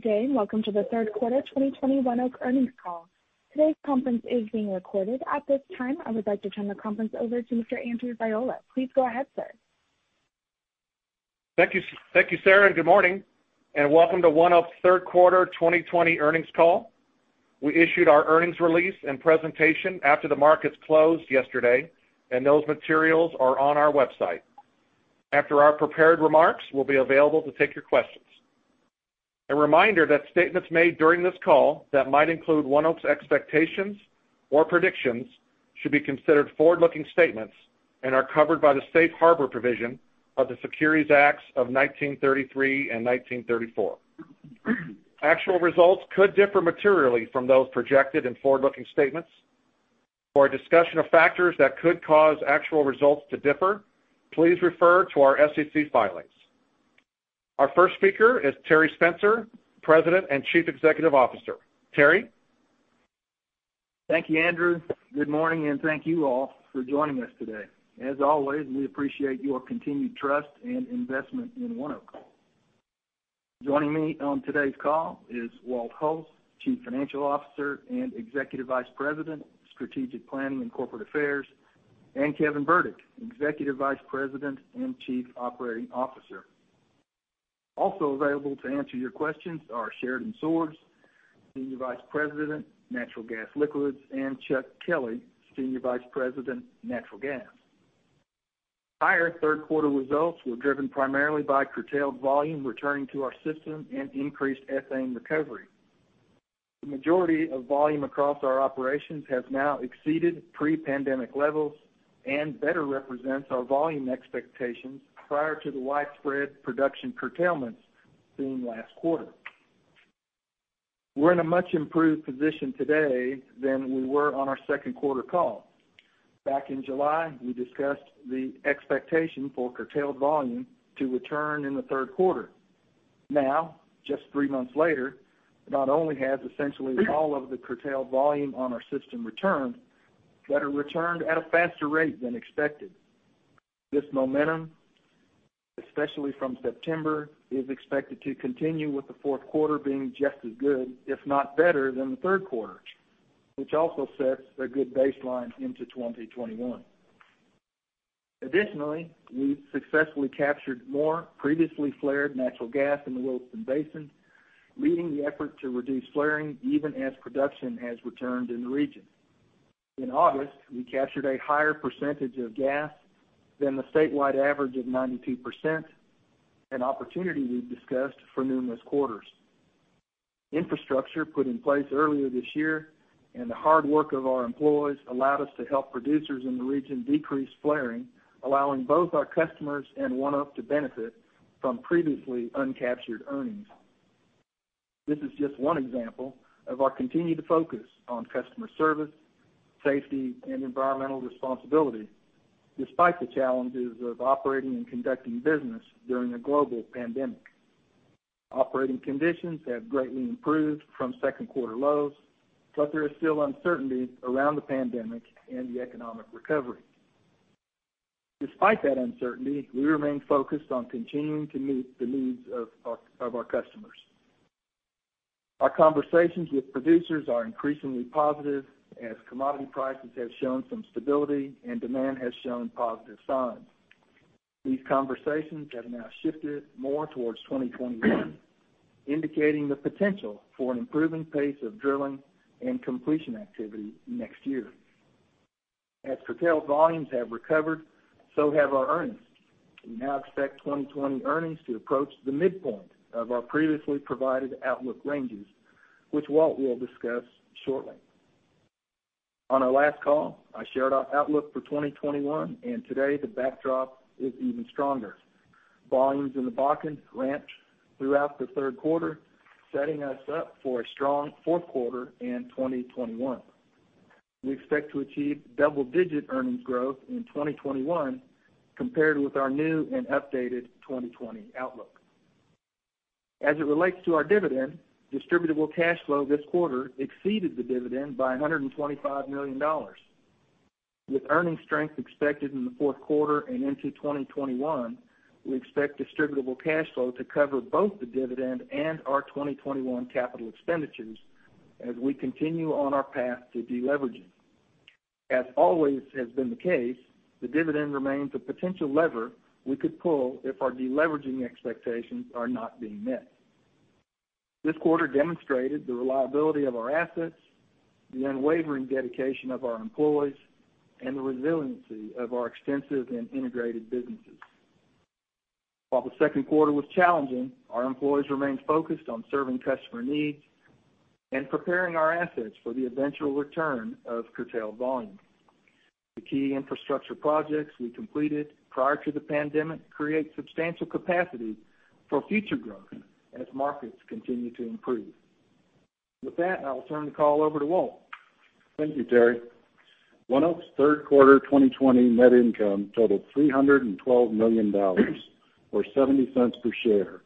Good day and welcome to the third quarter 2020 ONEOK earnings call. Today's conference is being recorded. At this time, I would like to turn the conference over to Mr. Andrew Ziola. Please go ahead, sir. Thank you, Sarah. Good morning, welcome to ONEOK's third quarter 2020 earnings call. We issued our earnings release and presentation after the markets closed yesterday. Those materials are on our website. After our prepared remarks, we'll be available to take your questions. A reminder that statements made during this call that might include ONEOK's expectations or predictions should be considered forward-looking statements and are covered by the Safe Harbor provision of the Securities Acts of 1933 and 1934. Actual results could differ materially from those projected in forward-looking statements. For a discussion of factors that could cause actual results to differ, please refer to our SEC filings. Our first speaker is Terry Spencer, President and Chief Executive Officer. Terry? Thank you, Andrew. Good morning, and thank you all for joining us today. As always, we appreciate your continued trust and investment in ONEOK. Joining me on today's call is Walter Hulse, Chief Financial Officer and Executive Vice President, Strategic Planning and Corporate Affairs, and Kevin Burdick, Executive Vice President and Chief Operating Officer. Also available to answer your questions are Sheridan Swords, Senior Vice President, Natural Gas Liquids, and Chuck Kelley, Senior Vice President, Natural Gas. Higher third quarter results were driven primarily by curtailed volume returning to our system and increased ethane recovery. The majority of volume across our operations has now exceeded pre-pandemic levels and better represents our volume expectations prior to the widespread production curtailments seen last quarter. We're in a much improved position today than we were on our second quarter call. Back in July, we discussed the expectation for curtailed volume to return in the third quarter. Now, just three months later, not only has essentially all of the curtailed volume on our system returned, but it returned at a faster rate than expected. This momentum, especially from September, is expected to continue with the fourth quarter being just as good, if not better, than the third quarter, which also sets a good baseline into 2021. Additionally, we've successfully captured more previously flared natural gas in the Williston Basin, leading the effort to reduce flaring even as production has returned in the region. In August, we captured a higher percentage of gas than the statewide average of 92%, an opportunity we've discussed for numerous quarters. Infrastructure put in place earlier this year and the hard work of our employees allowed us to help producers in the region decrease flaring, allowing both our customers and ONEOK to benefit from previously uncaptured earnings. This is just one example of our continued focus on customer service, safety, and environmental responsibility, despite the challenges of operating and conducting business during a global pandemic. Operating conditions have greatly improved from second quarter lows, but there is still uncertainty around the pandemic and the economic recovery. Despite that uncertainty, we remain focused on continuing to meet the needs of our customers. Our conversations with producers are increasingly positive as commodity prices have shown some stability and demand has shown positive signs. These conversations have now shifted more towards 2021, indicating the potential for an improving pace of drilling and completion activity next year. As curtailed volumes have recovered, so have our earnings. We now expect 2020 earnings to approach the midpoint of our previously provided outlook ranges, which Walt will discuss shortly. On our last call, I shared our outlook for 2021, and today the backdrop is even stronger. Volumes in the Bakken ramped throughout the third quarter, setting us up for a strong fourth quarter in 2021. We expect to achieve double-digit earnings growth in 2021 compared with our new and updated 2020 outlook. As it relates to our dividend, distributable cash flow this quarter exceeded the dividend by $125 million. With earnings strength expected in the fourth quarter and into 2021, we expect distributable cash flow to cover both the dividend and our 2021 capital expenditures as we continue on our path to deleveraging. As always has been the case, the dividend remains a potential lever we could pull if our deleveraging expectations are not being met. This quarter demonstrated the reliability of our assets, the unwavering dedication of our employees, and the resiliency of our extensive and integrated businesses. While the second quarter was challenging, our employees remained focused on serving customer needs and preparing our assets for the eventual return of curtailed volume. The key infrastructure projects we completed prior to the pandemic create substantial capacity for future growth as markets continue to improve. With that, I'll turn the call over to Walt. Thank you, Terry. ONEOK's third quarter 2020 net income totaled $312 million or $0.70 per share.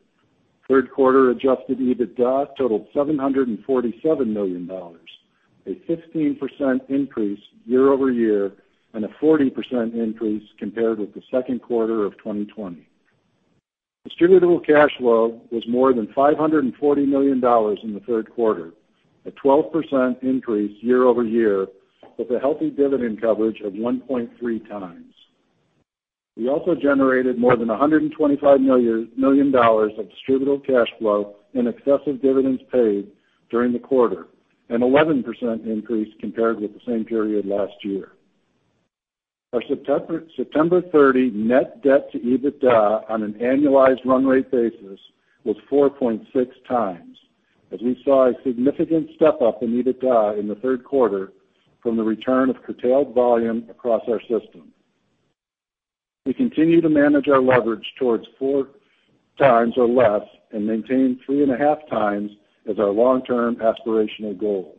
Third quarter adjusted EBITDA totaled $747 million. A 15% increase year-over-year and a 40% increase compared with the second quarter of 2020. Distributable cash flow was more than $540 million in the third quarter, a 12% increase year-over-year, with a healthy dividend coverage of 1.3x. We also generated more than $125 million of distributable cash flow in excessive dividends paid during the quarter, an 11% increase compared with the same period last year. Our September 30 net debt to EBITDA on an annualized run rate basis was 4.6x, as we saw a significant step up in EBITDA in the third quarter from the return of curtailed volume across our system. We continue to manage our leverage towards 4x or less and maintain three and a half times as our long-term aspirational goal.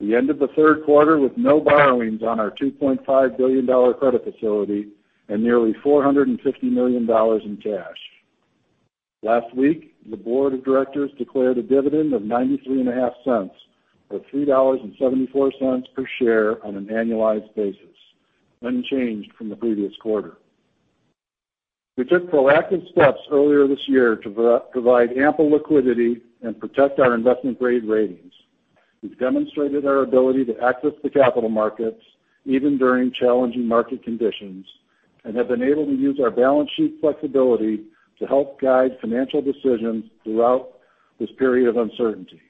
We end of the third quarter with no borrowings on our $2.5 billion credit facility and nearly $450 million in cash. Last week, the board of directors declared a dividend of $0.935, or $3.74 per share on an annualized basis, unchanged from the previous quarter. We took proactive steps earlier this year to provide ample liquidity and protect our investment-grade ratings. We've demonstrated our ability to access the capital markets even during challenging market conditions and have been able to use our balance sheet flexibility to help guide financial decisions throughout this period of uncertainty.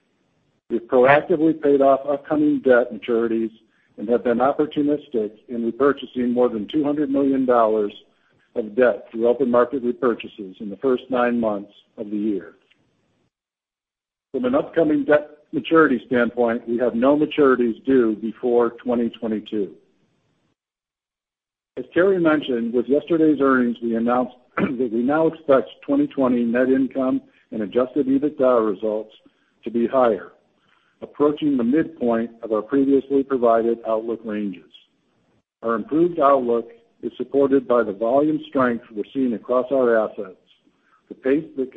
We've proactively paid off upcoming debt maturities and have been opportunistic in repurchasing more than $200 million of debt through open market repurchases in the first nine months of the year. From an upcoming debt maturity standpoint, we have no maturities due before 2022. As Terry mentioned, with yesterday's earnings, we announced that we now expect 2020 net income and adjusted EBITDA results to be higher, approaching the midpoint of our previously provided outlook ranges. Our improved outlook is supported by the volume strength we're seeing across our assets, the pace that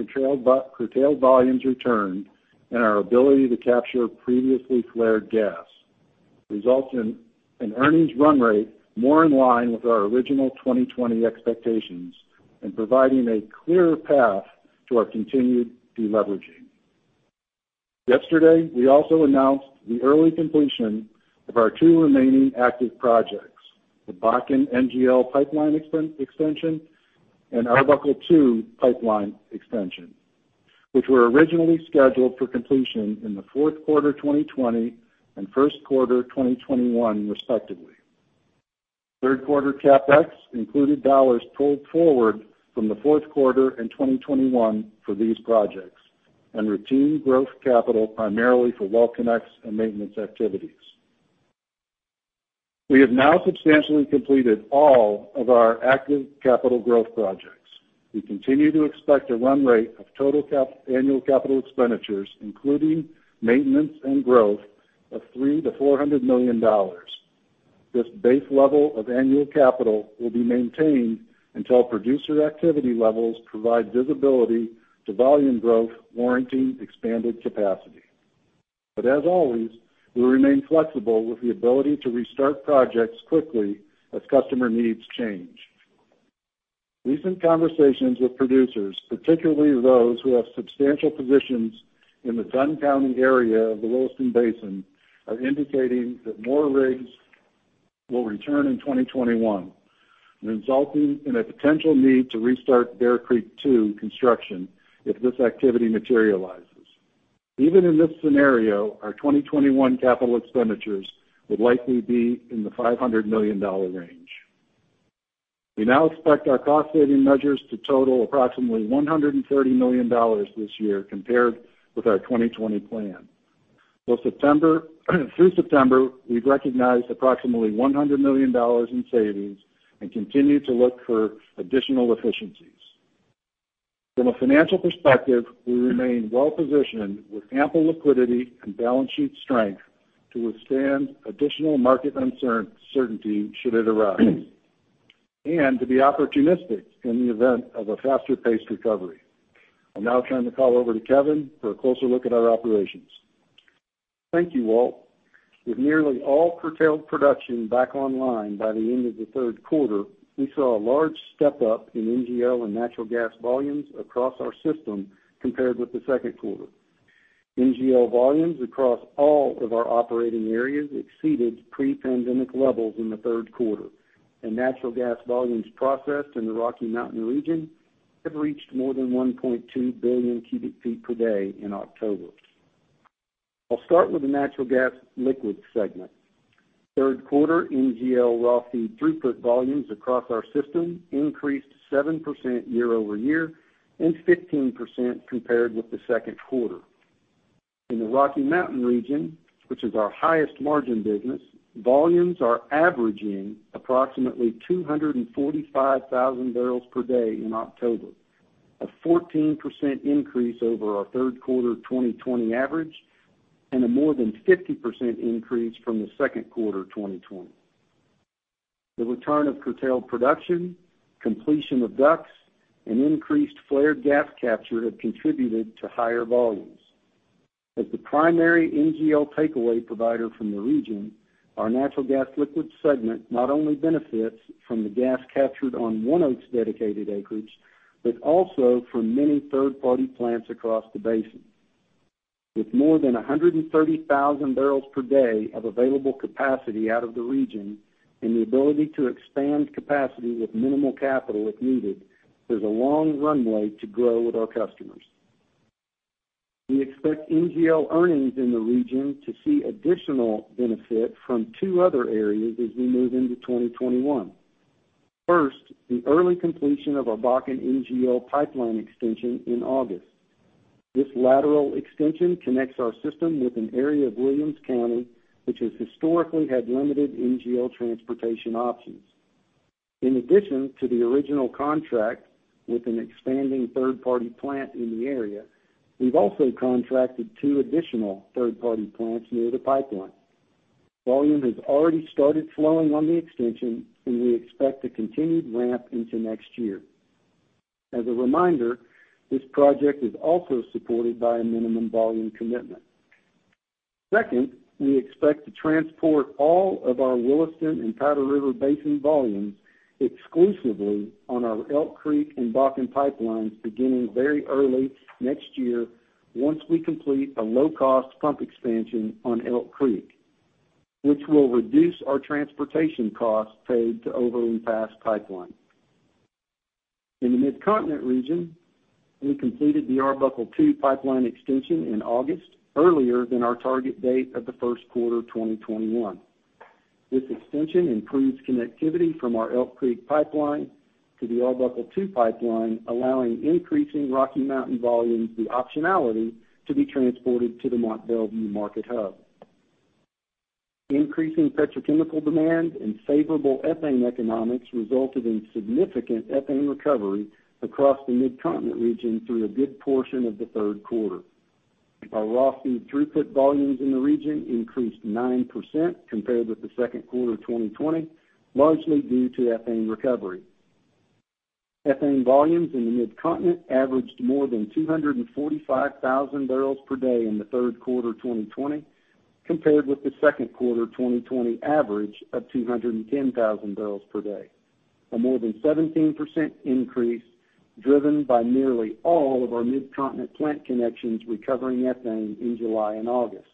curtailed volumes returned, and our ability to capture previously flared gas, results in an earnings run rate more in line with our original 2020 expectations and providing a clearer path to our continued de-leveraging. Yesterday, we also announced the early completion of our two remaining active projects, the Bakken NGL Pipeline extension and Arbuckle II Pipeline extension, which were originally scheduled for completion in the fourth quarter 2020 and first quarter 2021, respectively. Third quarter CapEx included dollars pulled forward from the fourth quarter in 2021 for these projects and routine growth capital primarily for well connects and maintenance activities. We have now substantially completed all of our active capital growth projects. We continue to expect a run rate of total annual capital expenditures, including maintenance and growth, of $300 million-$400 million. This base level of annual capital will be maintained until producer activity levels provide visibility to volume growth warranting expanded capacity. As always, we remain flexible with the ability to restart projects quickly as customer needs change. Recent conversations with producers, particularly those who have substantial positions in the Dunn County area of the Williston Basin, are indicating that more rigs will return in 2021, resulting in a potential need to restart Bear Creek II construction if this activity materializes. Even in this scenario, our 2021 capital expenditures would likely be in the $500 million range. We now expect our cost-saving measures to total approximately $130 million this year compared with our 2020 plan. Through September, we've recognized approximately $100 million in savings and continue to look for additional efficiencies. From a financial perspective, we remain well-positioned with ample liquidity and balance sheet strength to withstand additional market uncertainty should it arise, and to be opportunistic in the event of a faster-paced recovery. I'll now turn the call over to Kevin for a closer look at our operations. Thank you, Walt. With nearly all curtailed production back online by the end of the third quarter, we saw a large step-up in NGL and natural gas volumes across our system compared with the second quarter. NGL volumes across all of our operating areas exceeded pre-pandemic levels in the third quarter, and natural gas volumes processed in the Rocky Mountain region have reached more than 1.2 billion cubic feet per day in October. I'll start with the Natural Gas Liquids segment. Third quarter NGL raw feed throughput volumes across our system increased 7% year-over-year and 15% compared with the second quarter. In the Rocky Mountain region, which is our highest margin business, volumes are averaging approximately 245,000 barrels per day in October, a 14% increase over our third quarter 2020 average, and a more than 50% increase from the second quarter 2020. The return of curtailed production, completion of DUCs, and increased flared gas capture have contributed to higher volumes. As the primary NGL takeaway provider from the region, our Natural Gas Liquids segment not only benefits from the gas captured on ONEOK's dedicated acreage, but also from many third-party plants across the basin. With more than 130,000 barrels per day of available capacity out of the region and the ability to expand capacity with minimal capital if needed, there's a long runway to grow with our customers. We expect NGL earnings in the region to see additional benefit from two other areas as we move into 2021. The early completion of our Bakken NGL Pipeline extension in August. This lateral extension connects our system with an area of Williams County, which has historically had limited NGL transportation options. In addition to the original contract with an expanding third-party plant in the area, we've also contracted two additional third-party plants near the pipeline. Volume has already started flowing on the extension, and we expect a continued ramp into next year. As a reminder, this project is also supported by a minimum volume commitment. We expect to transport all of our Williston and Powder River Basin volumes exclusively on our Elk Creek and Bakken pipelines beginning very early next year once we complete a low-cost pump expansion on Elk Creek, which will reduce our transportation costs paid to Overland Pass Pipeline. In the Mid-Continent region, we completed the Arbuckle II Pipeline extension in August, earlier than our target date of the first quarter 2021. This extension improves connectivity from our Elk Creek Pipeline to the Arbuckle II Pipeline, allowing increasing Rocky Mountain volumes the optionality to be transported to the Mont Belvieu market hub. Increasing petrochemical demand and favorable ethane economics resulted in significant ethane recovery across the Mid-Continent region through a good portion of the third quarter. Our raw feed throughput volumes in the region increased 9% compared with the second quarter 2020, largely due to ethane recovery. Ethane volumes in the Mid-Continent averaged more than 245,000 barrels per day in the third quarter 2020 compared with the second quarter 2020 average of 210,000 barrels per day. A more than 17% increase, driven by nearly all of our Mid-Continent plant connections recovering ethane in July and August.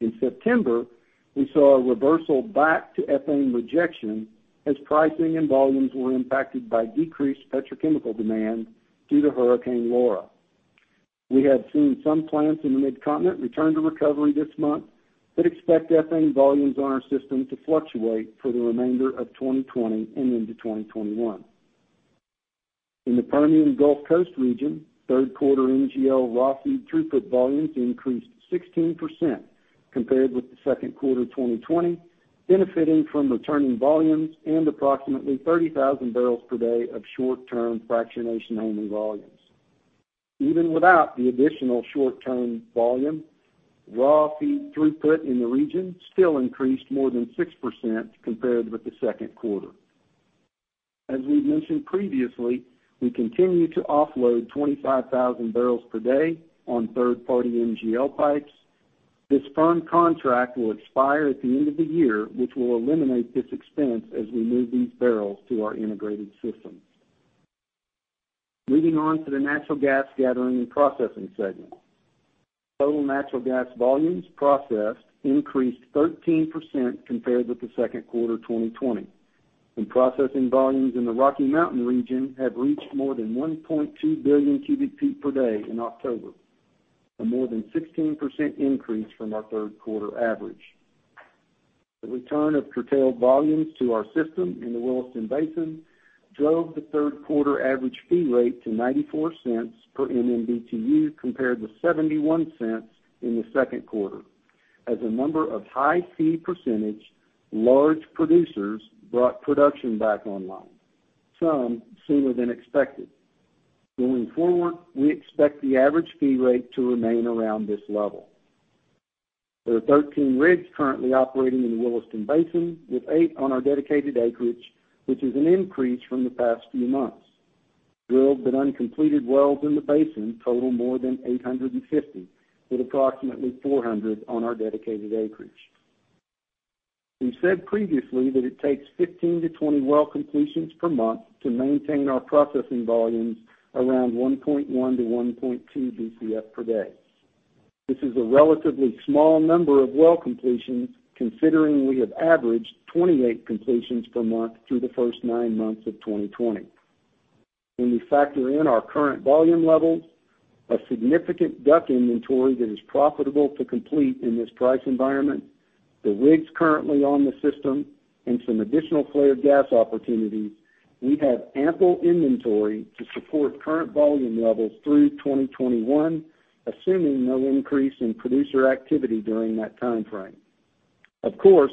In September, we saw a reversal back to ethane rejection as pricing and volumes were impacted by decreased petrochemical demand due to Hurricane Laura. We have seen some plants in the Mid-Continent return to recovery this month, but expect ethane volumes on our system to fluctuate for the remainder of 2020 and into 2021. In the Permian and Gulf Coast region, third quarter NGL raw feed throughput volumes increased 16% compared with the second quarter 2020, benefiting from returning volumes and approximately 30,000 barrels per day of short-term fractionation only volumes. Even without the additional short-term volume, raw feed throughput in the region still increased more than 6% compared with the second quarter. As we've mentioned previously, we continue to offload 25,000 barrels per day on third-party NGL pipes. This firm contract will expire at the end of the year, which will eliminate this expense as we move these barrels to our integrated system. Moving on to the Natural Gas Gathering and Processing segment. Total natural gas volumes processed increased 13% compared with the second quarter 2020, and processing volumes in the Rocky Mountain region have reached more than 1.2 billion cubic feet per day in October. A more than 16% increase from our third quarter average. The return of curtailed volumes to our system in the Williston Basin drove the third quarter average fee rate to $0.94 per MMBtu, compared with $0.71 in the second quarter as a number of high fee percentage large producers brought production back online, some sooner than expected. Going forward, we expect the average fee rate to remain around this level. There are 13 rigs currently operating in the Williston Basin, with eight on our dedicated acreage, which is an increase from the past few months. Drilled but uncompleted wells in the basin total more than 850, with approximately 400 on our dedicated acreage. We've said previously that it takes 15-20 well completions per month to maintain our processing volumes around 1.1-1.2 BCF per day. This is a relatively small number of well completions considering we have averaged 28 completions per month through the first nine months of 2020. When we factor in our current volume levels, a significant DUC inventory that is profitable to complete in this price environment, the rigs currently on the system, and some additional flared gas opportunities, we have ample inventory to support current volume levels through 2021, assuming no increase in producer activity during that time frame. Of course,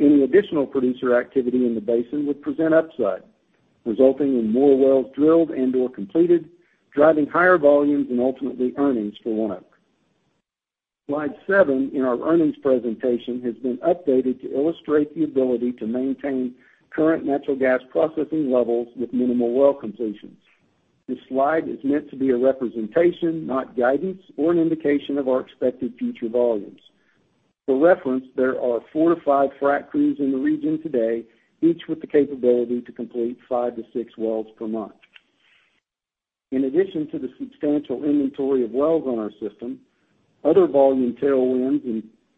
any additional producer activity in the basin would present upside, resulting in more wells drilled and/or completed, driving higher volumes and ultimately earnings for ONEOK. Slide seven in our earnings presentation has been updated to illustrate the ability to maintain current natural gas processing levels with minimal well completions. This slide is meant to be a representation, not guidance or an indication of our expected future volumes. For reference, there are four to five frack crews in the region today, each with the capability to complete five to six wells per month. In addition to the substantial inventory of wells on our system, other volume tailwinds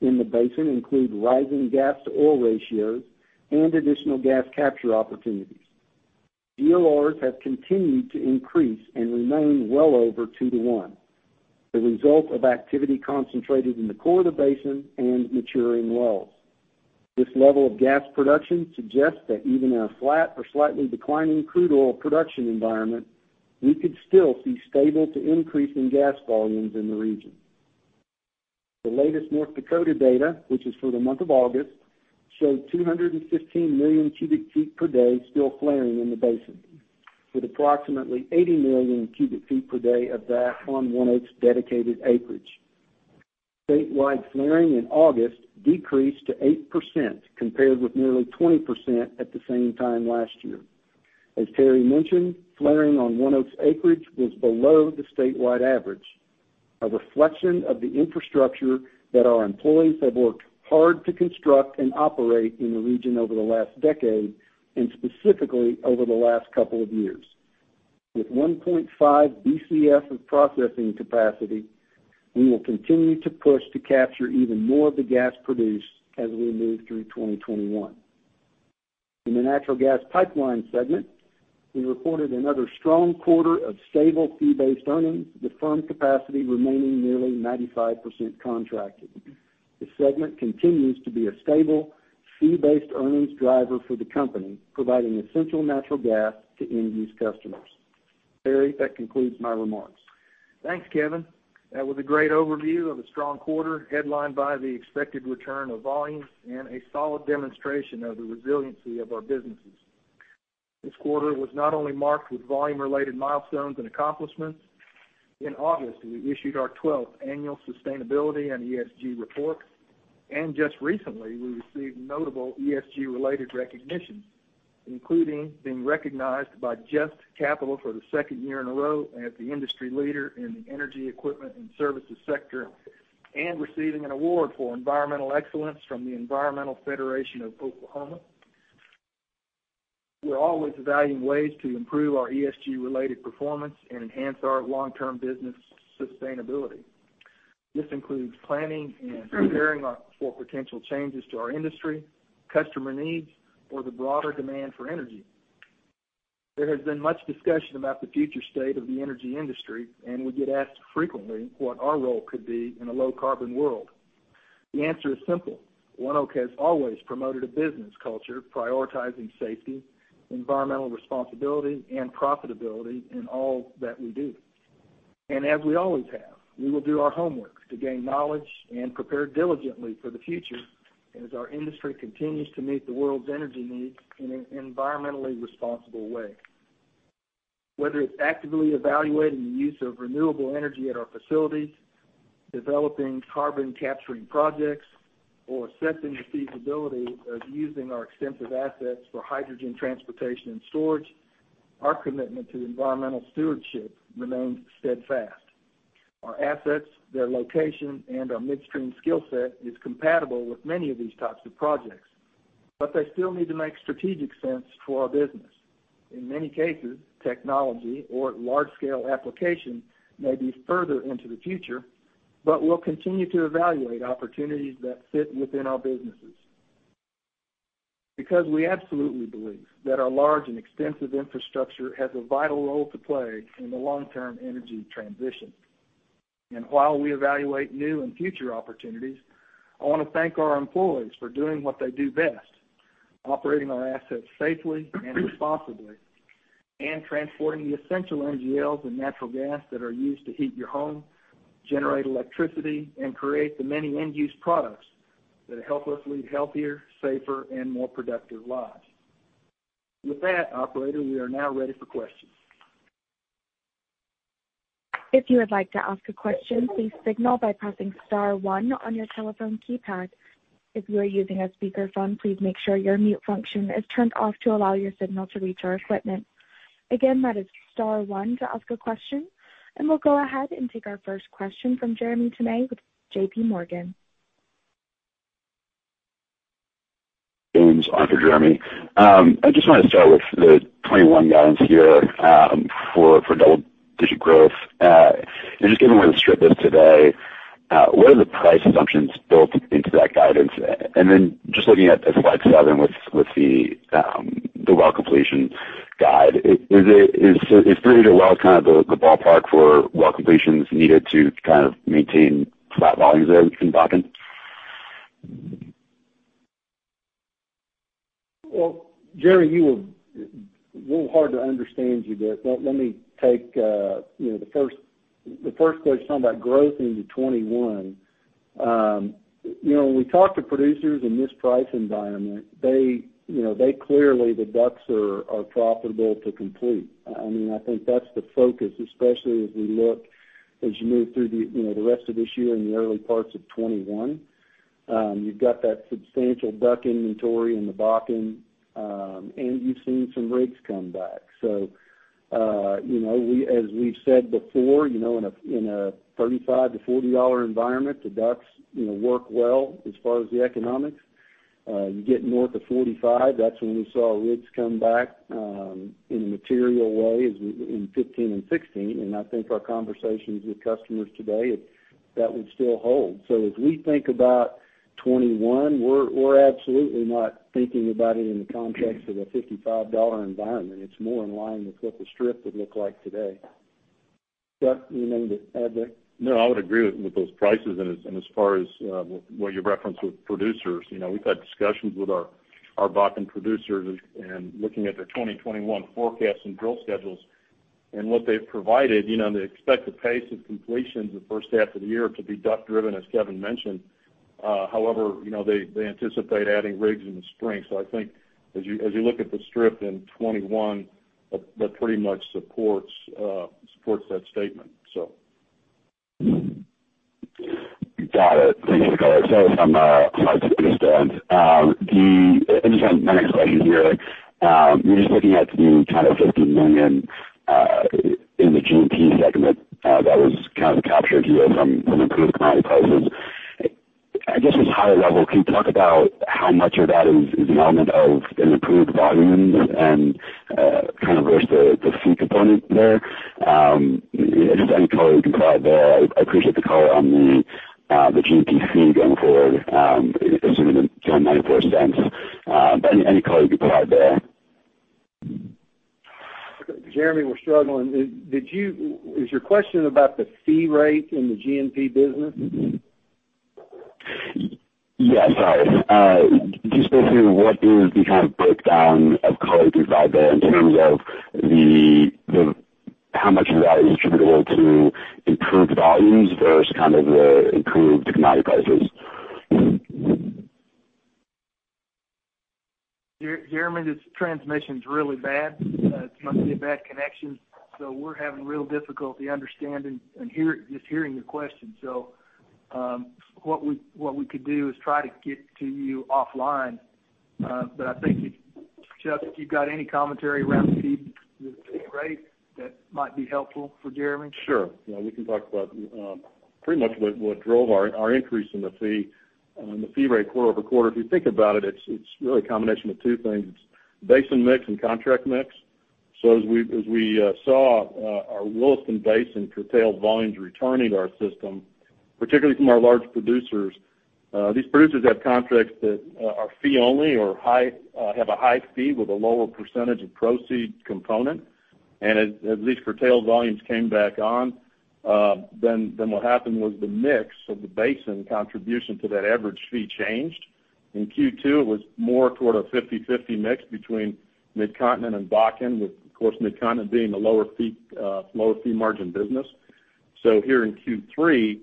in the Basin include rising gas-to-oil ratios and additional gas capture opportunities. GORs have continued to increase and remain well over 2:1, the result of activity concentrated in the core of the Basin and maturing wells. This level of gas production suggests that even in a flat or slightly declining crude oil production environment, we could still see stable to increasing gas volumes in the region. The latest North Dakota data, which is for the month of August, showed 215 million cubic feet per day still flaring in the Basin, with approximately 80 million cubic feet per day of that on ONEOK's dedicated acreage. Statewide flaring in August decreased to 8%, compared with nearly 20% at the same time last year. As Terry mentioned, flaring on ONEOK's acreage was below the statewide average, a reflection of the infrastructure that our employees have worked hard to construct and operate in the region over the last decade, and specifically over the last couple of years. With 1.5 BCF of processing capacity, we will continue to push to capture even more of the gas produced as we move through 2021. In the natural gas pipeline segment, we reported another strong quarter of stable fee-based earnings, with firm capacity remaining nearly 95% contracted. This segment continues to be a stable, fee-based earnings driver for the company, providing essential natural gas to end-use customers. Terry, that concludes my remarks. Thanks, Kevin. That was a great overview of a strong quarter headlined by the expected return of volumes and a solid demonstration of the resiliency of our businesses. This quarter was not only marked with volume-related milestones and accomplishments. In August, we issued our 12th annual sustainability and ESG report. Just recently, we received notable ESG-related recognition, including being recognized by JUST Capital for the second year in a row as the industry leader in the energy equipment and services sector, and receiving an award for environmental excellence from the Environmental Federation of Oklahoma. We're always evaluating ways to improve our ESG-related performance and enhance our long-term business sustainability. This includes planning and preparing for potential changes to our industry, customer needs, or the broader demand for energy. There has been much discussion about the future state of the energy industry, and we get asked frequently what our role could be in a low-carbon world. The answer is simple. ONEOK has always promoted a business culture prioritizing safety, environmental responsibility, and profitability in all that we do. As we always have, we will do our homework to gain knowledge and prepare diligently for the future as our industry continues to meet the world's energy needs in an environmentally responsible way. Whether it's actively evaluating the use of renewable energy at our facilities, developing carbon-capturing projects, or assessing the feasibility of using our extensive assets for hydrogen transportation and storage, our commitment to environmental stewardship remains steadfast. Our assets, their location, and our midstream skill set is compatible with many of these types of projects. They still need to make strategic sense for our business. In many cases, technology or large-scale application may be further into the future, but we'll continue to evaluate opportunities that fit within our businesses. Because we absolutely believe that our large and extensive infrastructure has a vital role to play in the long-term energy transition. While we evaluate new and future opportunities, I want to thank our employees for doing what they do best: operating our assets safely and responsibly and transporting the essential NGLs and natural gas that are used to heat your home, generate electricity, and create the many end-use products that help us lead healthier, safer, and more productive lives. With that, operator, we are now ready for questions. If you would like to ask a question, please signal by pressing star one on your telephone keypad. If you are using a speakerphone, please make sure your mute function is turned off to allow your signal to reach our equipment. Again, that is star one to ask a question. We'll go ahead and take our first question from Jeremy Tonet with J.P. Morgan. James on for Jeremy. I just want to start with the 2021 guidance here, for double-digit growth. Just given where the strip is today, what are the price assumptions built into that guidance? Then just looking at slide seven with the well completion guide, is [15 to 20] well kind of the ballpark for well completions needed to kind of maintain flat volumes there in Bakken? Well, Jeremy, you were a little hard to understand you there. Let me take the first question talking about growth into 2021. When we talk to producers in this price environment, clearly the DUCs are profitable to complete. I think that's the focus, especially as you move through the rest of this year and the early parts of 2021. You've got that substantial DUC inventory in the Bakken, and you've seen some rigs come back. As we've said before, in a $35-$40 environment, the DUCs work well as far as the economics. You get north of $45, that's when we saw rigs come back in a material way in 2015 and 2016. I think our conversations with customers today, that would still hold. As we think about 2021, we're absolutely not thinking about it in the context of a $55 environment. It's more in line with what the strip would look like today. Chuck, anything you need to add there? No, I would agree with those prices, and as far as what you referenced with producers. We've had discussions with our Bakken producers and looking at their 2021 forecast and drill schedules, and what they've provided, the expected pace of completions the first half of the year to be DUC driven, as Kevin mentioned. However, they anticipate adding rigs in the spring. I think as you look at the strip in 2021, that pretty much supports that statement. Got it. Thank you both. My next question here. You're just looking at the $10.50 million in the G&P segment that was captured here from improved commodity prices. I guess, just higher level, can you talk about how much of that is the element of an improved volume versus the fee component there? Just any color you can provide there. I appreciate the color on the G&P fee going forward, assuming the $0.94. Any color you can provide there. Jeremy, we're struggling. Is your question about the fee rate in the G&P business? Yes. Sorry. Just basically what is the breakdown of color you provide there in terms of how much of that is attributable to improved volumes versus the improved commodity prices? Jeremy, this transmission's really bad. It must be a bad connection. We're having real difficulty understanding and just hearing your question. What we could do is try to get to you offline. I think, Chuck, if you've got any commentary around the fee rate, that might be helpful for Jeremy. Sure. We can talk about pretty much what drove our increase in the fee rate quarter-over-quarter. If you think about it's really a combination of two things: basin mix and contract mix. As we saw our Williston Basin curtailed volumes returning to our system, particularly from our large producers. These producers have contracts that are fee only or have a high fee with a lower percentage of proceeds component. As these curtailed volumes came back on, then what happened was the mix of the basin contribution to that average fee changed. In Q2, it was more toward a 50/50 mix between Mid-Continent and Bakken, with, of course, Mid-Continent being the lower fee margin business. Here in Q3,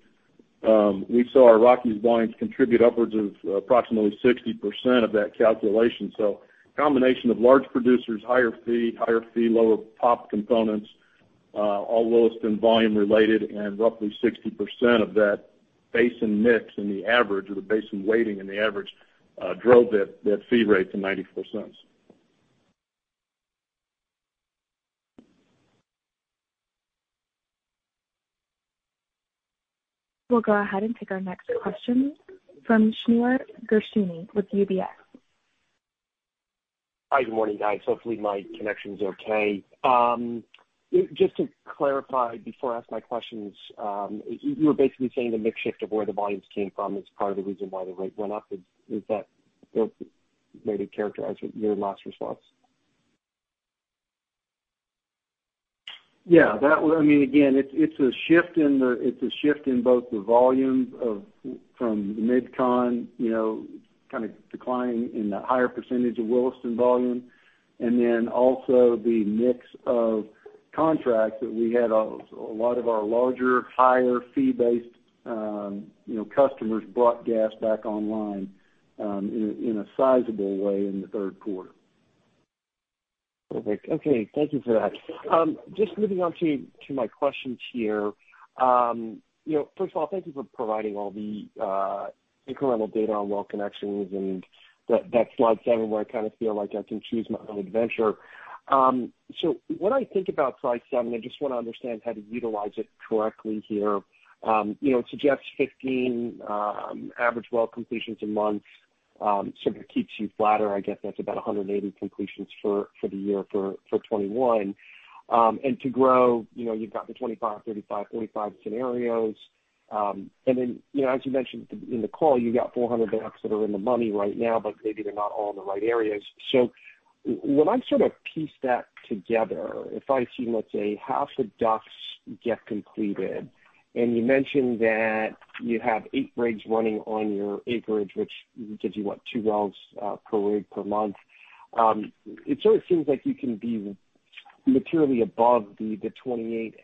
we saw our Rockies volumes contribute upwards of approximately 60% of that calculation. A combination of large producers, higher fee, lower POP components, all Williston volume related, and roughly 60% of that basin mix in the average, or the basin weighting in the average, drove that fee rate to $0.94. We'll go ahead and take our next question from Shneur Gershuni with UBS. Hi. Good morning, guys. Hopefully my connection's okay. Just to clarify before I ask my questions, you were basically saying the mix shift of where the volumes came from is part of the reason why the rate went up. Is that the way to characterize your last response? Yeah. Again, it's a shift in both the volumes from MidCon declining and the higher percentage of Williston volume, and then also the mix of contracts that we had. A lot of our larger, higher fee-based customers brought gas back online in a sizable way in the third quarter. Perfect. Okay. Thank you for that. Just moving on to my questions here. First of all, thank you for providing all the incremental data on well connections and that slide seven where I feel like I can choose my own adventure. When I think about slide seven, I just want to understand how to utilize it correctly here. It suggests 15 average well completions a month. If it keeps you flatter, I guess that's about 180 completions for the year for 2021. To grow, you've got the 25, 35, 45 scenarios. Then, as you mentioned in the call, you've got 400 DUCs that are in the money right now, but maybe they're not all in the right areas. When I piece that together, if I assume, let's say, half the DUCs get completed, and you mentioned that you have eight rigs running on your acreage, which gives you, what, two wells per rig per month. It seems like you can be materially above the 28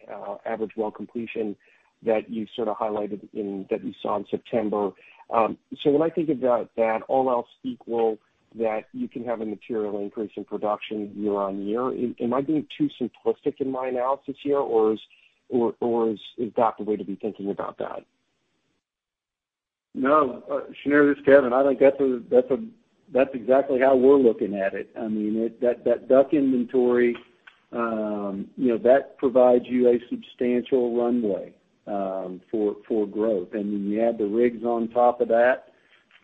average well completion that you highlighted that you saw in September. When I think about that, all else equal, that you can have a material increase in production year-on-year. Am I being too simplistic in my analysis here, or is that the way to be thinking about that? No. Shneur, this is Kevin. I think that's exactly how we're looking at it. That DUC inventory, that provides you a substantial runway for growth. When you add the rigs on top of that,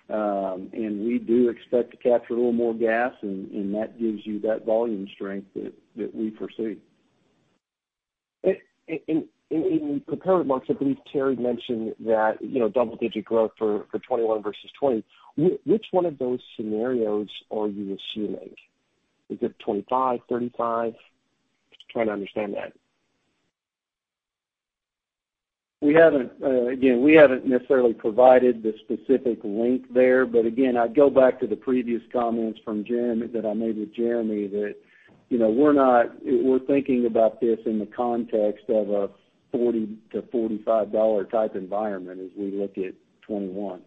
we do expect to capture a little more gas, that gives you that volume strength that we foresee. In prepared remarks, I believe Terry mentioned that double-digit growth for 2021 versus 2020. Which one of those scenarios are you assuming? Is it 25%, 35%? Just trying to understand that. Again, we haven't necessarily provided the specific link there. Again, I'd go back to the previous comments that I made with Jeremy that we're thinking about this in the context of a $40-$45 type environment as we look at 2021.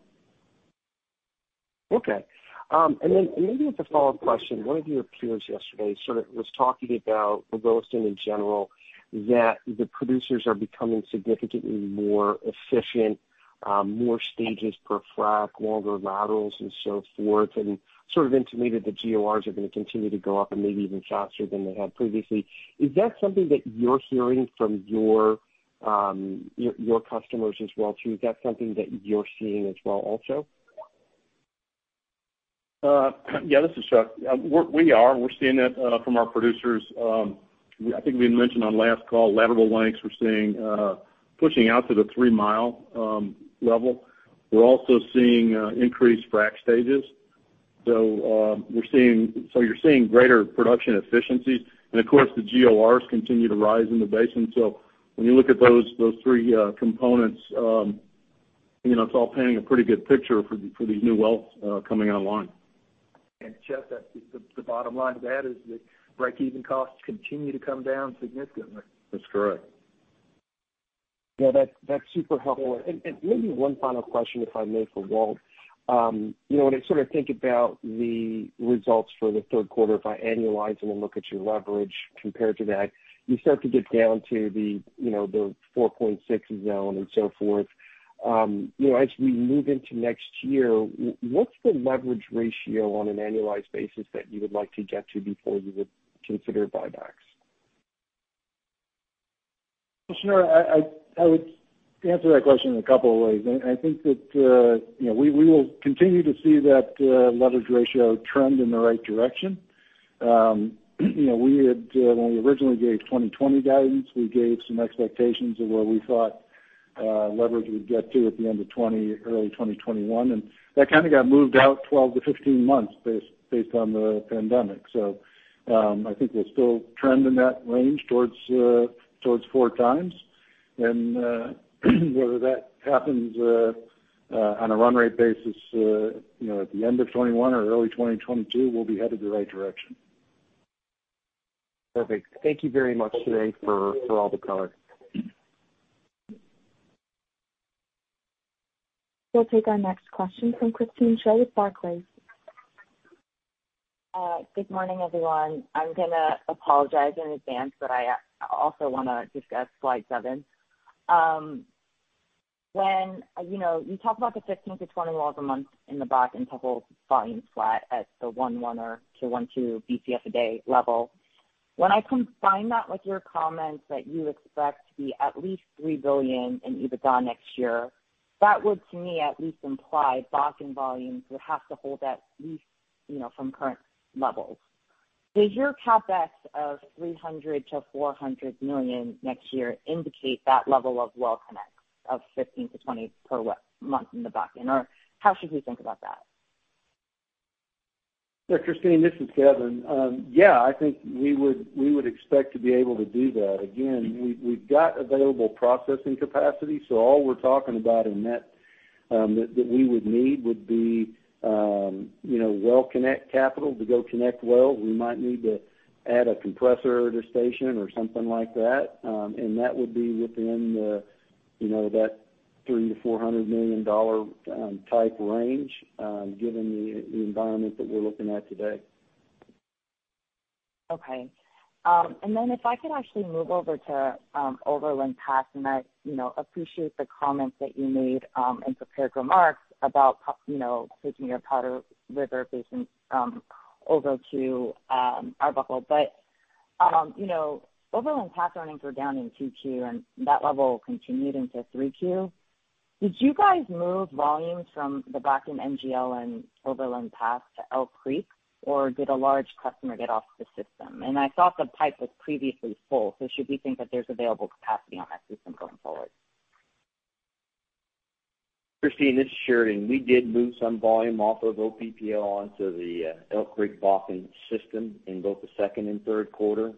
Okay. Maybe as a follow-up question, one of your peers yesterday was talking about Williston in general, that the producers are becoming significantly more efficient, more stages per frack, longer laterals and so forth, and sort of intimated that GORs are going to continue to go up and maybe even faster than they had previously. Is that something that you're hearing from your customers as well, too? Is that something that you're seeing as well also? Yeah, this is Chuck. We are. We're seeing that from our producers. I think we had mentioned on last call, lateral lengths, we're seeing pushing out to the three-mile level. We're also seeing increased frack stages. You're seeing greater production efficiency. Of course, the GORs continue to rise in the basin. When you look at those three components, it's all painting a pretty good picture for these new wells coming online. Chuck, the bottom line to that is that breakeven costs continue to come down significantly. That's correct. Yeah, that's super helpful. Maybe one final question, if I may, for Walt. When I think about the results for the third quarter, if I annualize and then look at your leverage compared to that, you start to get down to the 4.6 zone and so forth. As we move into next year, what's the leverage ratio on an annualized basis that you would like to get to before you would consider buybacks? Shneur, I would answer that question in a couple of ways. I think that we will continue to see that leverage ratio trend in the right direction. When we originally gave 2020 guidance, we gave some expectations of where we thought leverage would get to at the end of early 2021, that kind of got moved out 12-15 months based on the pandemic. I think we'll still trend in that range towards 4x. Whether that happens on a run rate basis at the end of 2021 or early 2022, we'll be headed the right direction. Perfect. Thank you very much today for all the color. We'll take our next question from Christine Cho with Barclays. Good morning, everyone. I'm going to apologize in advance. I also want to discuss slide seven. When you talk about the 15-20 wells a month in the Bakken to hold volume flat at the 1.1-1.2 BCF a day level. When I combine that with your comments that you expect to be at least $3 billion in EBITDA next year, that would, to me, at least imply Bakken volumes would have to hold at least from current levels. Does your CapEx of $300 million-$400 million next year indicate that level of well connects of 15-20 per month in the Bakken? How should we think about that? Sure, Christine, this is Kevin. Yeah, I think we would expect to be able to do that. Again, we've got available processing capacity, so all we're talking about in that we would need would be well connect capital to go connect wells. We might need to add a compressor at a station or something like that. That would be within that $300 million-$400 million type range, given the environment that we're looking at today. Okay. Then if I could actually move over to Overland Pass, I appreciate the comments that you made in prepared remarks about taking your Powder River Basin over to Arbuckle. Overland Pass earnings were down in Q2, and that level continued into Q3. Did you guys move volumes from the Bakken NGL and Overland Pass to Elk Creek, or did a large customer get off the system? I saw some pipe was previously full, so should we think that there's available capacity on that system going forward? Christine, this is Sheridan. We did move some volume off of OPPL onto the Elk Creek Bakken system in both the second and third quarter.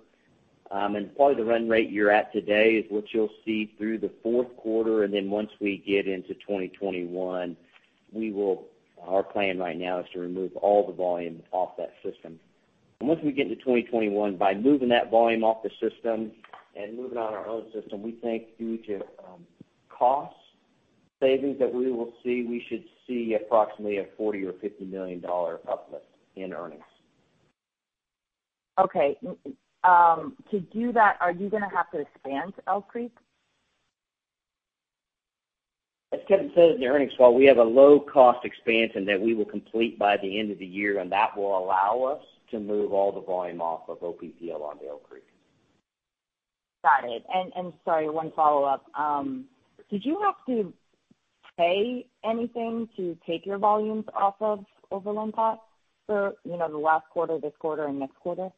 Probably the run rate you're at today is what you'll see through the fourth quarter and then once we get into 2021. Our plan right now is to remove all the volume off that system. Once we get into 2021, by moving that volume off the system and moving on our own system, we think due to cost savings that we will see, we should see approximately a $40 or $50 million uplift in earnings. Okay. To do that, are you going to have to expand to Elk Creek? As Kevin said in the earnings call, we have a low-cost expansion that we will complete by the end of the year. That will allow us to move all the volume off of OPPL onto Elk Creek. Got it. Sorry, one follow-up. Did you have to pay anything to take your volumes off of Overland Pass for the last quarter, this quarter and next quarter?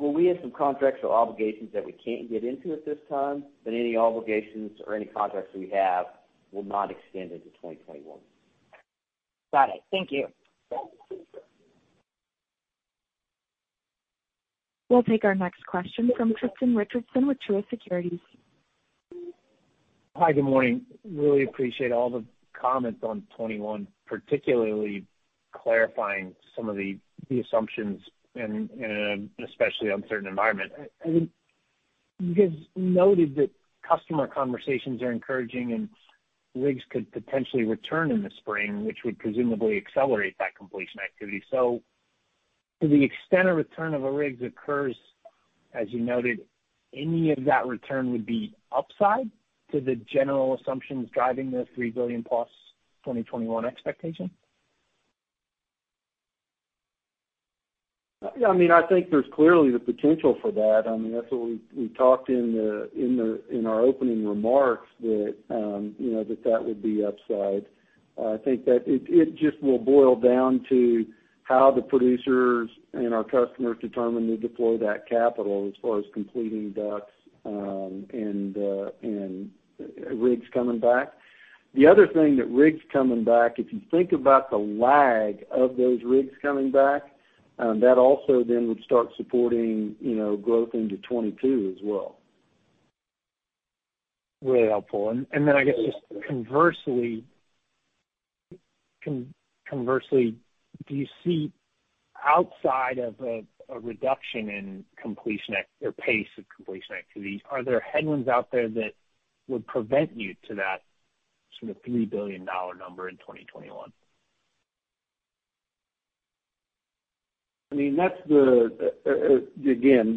We have some contractual obligations that we can't get into at this time, but any obligations or any contracts we have will not extend into 2021. Got it. Thank you. We'll take our next question from Tristan Richardson with Truist Securities. Hi, good morning. Really appreciate all the comments on 2021, particularly clarifying some of the assumptions and especially on uncertain environment. You guys noted that customer conversations are encouraging and rigs could potentially return in the spring, which would presumably accelerate that completion activity. To the extent a return of the rigs occurs, as you noted, any of that return would be upside to the general assumptions driving the $3 billion plus 2021 expectation? There's clearly the potential for that. That's what we talked in our opening remarks that would be upside. I think that it just will boil down to how the producers and our customers determine to deploy that capital as far as completing DUCs and rigs coming back. The other thing that rigs coming back, if you think about the lag of those rigs coming back, that also then would start supporting growth into 2022 as well. Really helpful. I guess just conversely, do you see outside of a reduction in pace of completion activities, are there headwinds out there that would prevent you to that sort of $3 billion number in 2021?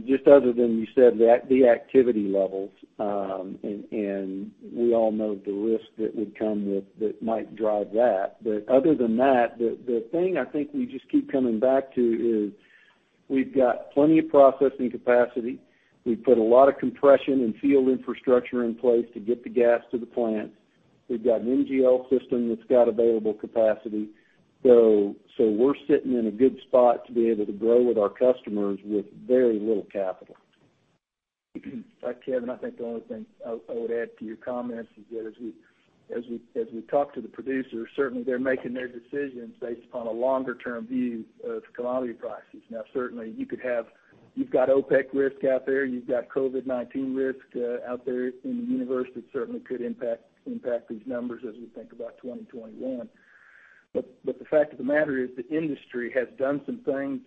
Just other than you said, the activity levels, and we all know the risk that would come with that might drive that. Other than that, the thing I think we just keep coming back to is we've got plenty of processing capacity. We've put a lot of compression and field infrastructure in place to get the gas to the plant. We've got an NGL system that's got available capacity. We're sitting in a good spot to be able to grow with our customers with very little capital. Kevin, I think the only thing I would add to your comments is that as we talk to the producers, certainly they're making their decisions based upon a longer-term view of commodity prices. Certainly, you've got OPEC risk out there. You've got COVID-19 risk out there in the universe that certainly could impact these numbers as we think about 2021. The fact of the matter is the industry has done some things,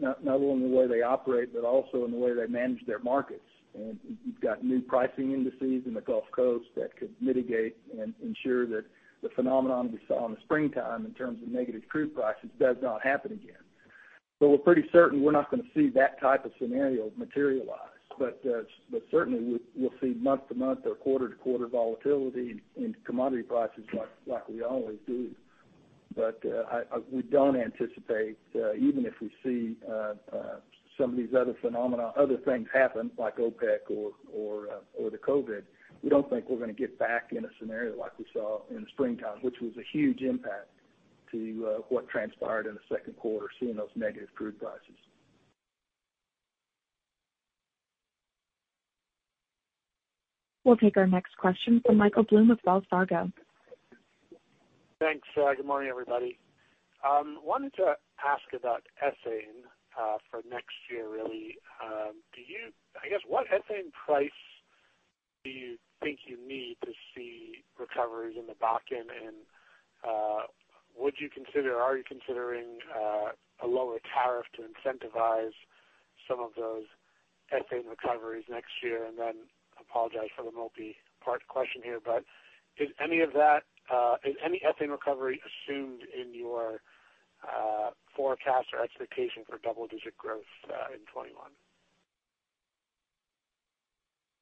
not only in the way they operate, but also in the way they manage their markets. You've got new pricing indices in the Gulf Coast that could mitigate and ensure that the phenomenon we saw in the springtime in terms of negative crude prices does not happen again. We're pretty certain we're not going to see that type of scenario materialize. Certainly, we'll see month-to-month or quarter-to-quarter volatility in commodity prices like we always do. We don't anticipate, even if we see some of these other things happen, like OPEC or the COVID, we don't think we're going to get back in a scenario like we saw in the springtime, which was a huge impact to what transpired in the second quarter, seeing those negative crude prices. We'll take our next question from Michael Blum of Wells Fargo. Thanks. Good morning, everybody. Wanted to ask about ethane for next year, really. I guess, what ethane price do you think you need to see recoveries in the Bakken? Are you considering a lower tariff to incentivize some of those ethane recoveries next year? Apologize for the multi-part question here, is any ethane recovery assumed in your forecast or expectation for double-digit growth in 2021?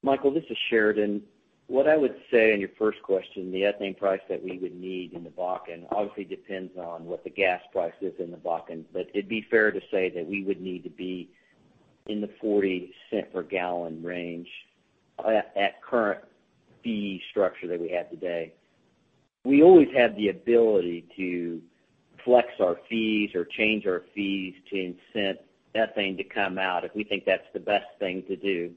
Michael, this is Sheridan. What I would say on your first question, the ethane price that we would need in the Bakken obviously depends on what the gas price is in the Bakken. It would be fair to say that we would need to be in the $0.40 per gallon range at current fee structure that we have today. We always have the ability to flex our fees or change our fees to incent ethane to come out if we think that's the best thing to do.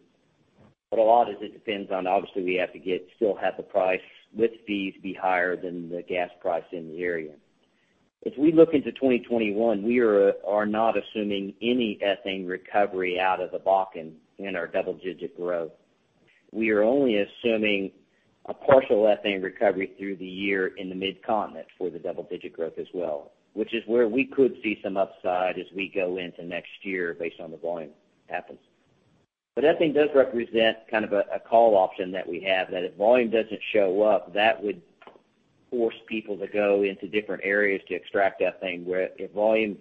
A lot of it depends on, obviously, we have to still have the price with fees be higher than the gas price in the area. If we look into 2021, we are not assuming any ethane recovery out of the Bakken in our double-digit growth. We are only assuming a partial ethane recovery through the year in the Mid-Continent for the double-digit growth as well, which is where we could see some upside as we go into next year based on the volume happens. Ethane does represent kind of a call option that we have, that if volume doesn't show up, that would force people to go into different areas to extract ethane. Where if volume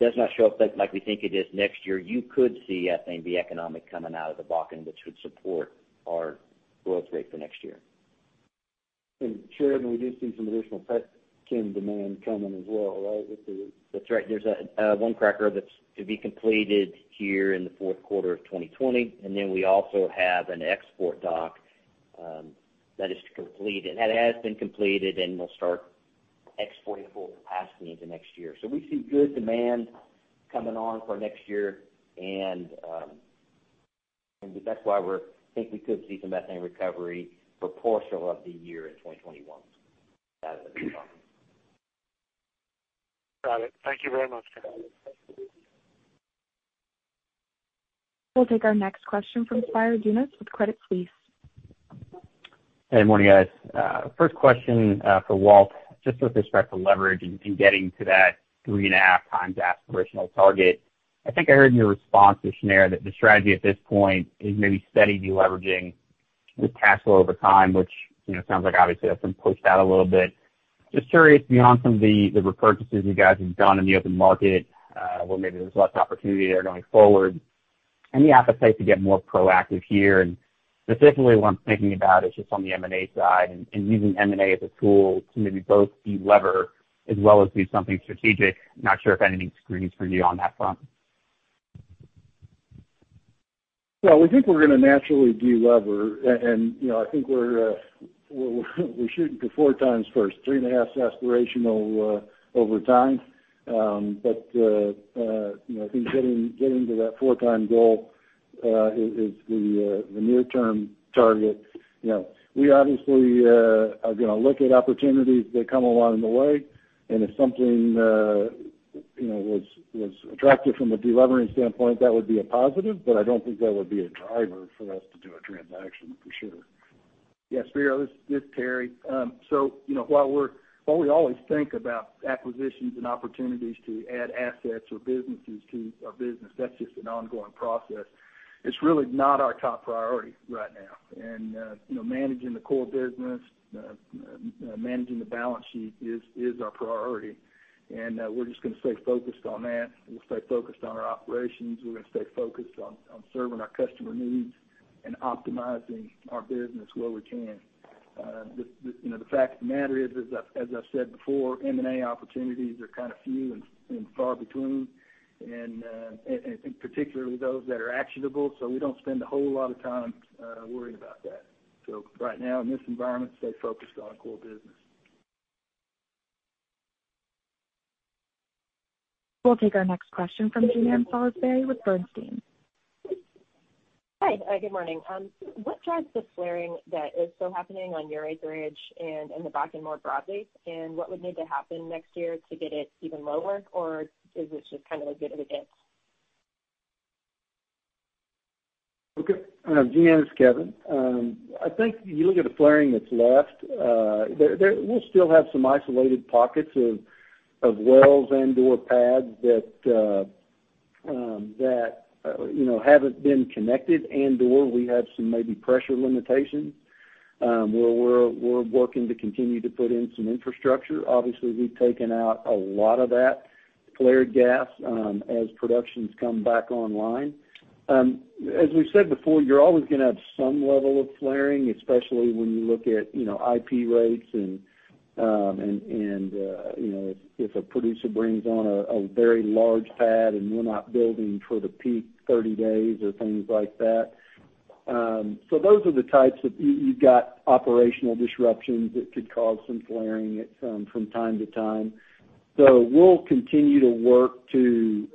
does not show up like we think it is next year, you could see ethane be economic coming out of the Bakken, which would support our growth rate for next year. Sheridan, we do see some additional petchem demand coming as well, right? That's right. There's one cracker that's to be completed here in the fourth quarter of 2020. We also have an export dock that is to complete, and that has been completed, and we'll start exporting full capacity into next year. We see good demand coming on for next year, That's why we think we could see some ethane recovery for portion of the year in 2021 out of the Bakken. Got it. Thank you very much. We'll take our next question from Spiro Dounis with Credit Suisse. Hey, morning, guys. First question for Walt, just with respect to leverage and getting to that 3.5x aspirational target. I think I heard in your response to Shneur that the strategy at this point is maybe steady de-leveraging with cash flow over time, which sounds like obviously that's been pushed out a little bit. Just curious, beyond some of the repurchases you guys have done in the open market, where maybe there's less opportunity there going forward. Any appetite to get more proactive here? Specifically what I'm thinking about is just on the M&A side and using M&A as a tool to maybe both delever as well as do something strategic. Not sure if anything screens for you on that front. Well, we think we're going to naturally delever. I think we're shooting to 4x first. 3.5x is aspirational over time. I think getting to that 4x goal is the near-term target. We obviously are going to look at opportunities that come along the way, and if something was attractive from a delevering standpoint, that would be a positive, but I don't think that would be a driver for us to do a transaction, for sure. Yes, Spiro, this is Terry. While we always think about acquisitions and opportunities to add assets or businesses to our business, that's just an ongoing process. It's really not our top priority right now. Managing the core business, managing the balance sheet is our priority. We're just going to stay focused on that. We'll stay focused on our operations. We're going to stay focused on serving our customer needs and optimizing our business where we can. The fact of the matter is, as I've said before, M&A opportunities are kind of few and far between, and particularly those that are actionable, we don't spend a whole lot of time worrying about that. Right now, in this environment, stay focused on core business. We'll take our next question from Jean Ann Salisbury with Bernstein. Hi. Good morning. What drives the flaring that is still happening on your acreage and in the Bakken more broadly, and what would need to happen next year to get it even lower? Is this just kind of a good of a guess? Okay. Jean Ann, it's Kevin. I think you look at the flaring that's left, we'll still have some isolated pockets of wells and/or pads that haven't been connected, and/or we have some maybe pressure limitations. Where we're working to continue to put in some infrastructure. Obviously, we've taken out a lot of that flared gas as productions come back online. As we've said before, you're always going to have some level of flaring, especially when you look at IP rates and if a producer brings on a very large pad and we're not building for the peak 30 days or things like that. Those are the types of. You've got operational disruptions that could cause some flaring from time to time. We'll continue to work to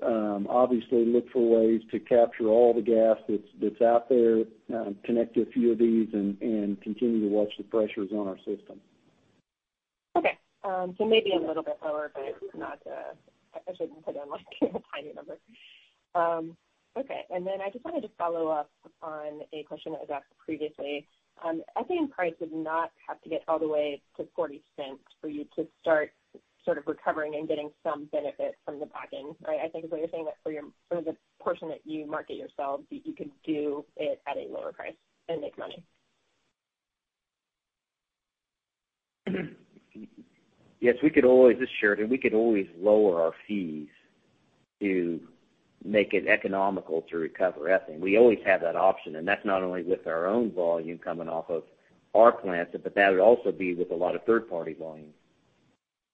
obviously look for ways to capture all the gas that's out there, connect a few of these, and continue to watch the pressures on our system. Okay. Maybe a little bit lower, but I shouldn't say that like a tiny number. Okay. I just wanted to follow up on a question that was asked previously. Ethane price would not have to get all the way to $0.40 for you to start sort of recovering and getting some benefit from the Bakken. Right? I think is what you're saying. That for the portion that you market yourselves, that you could do it at a lower price and make money. Yes, this is Sheridan. We could always lower our fees to make it economical to recover ethane. We always have that option, and that's not only with our own volume coming off of our plants, but that would also be with a lot of third-party volumes.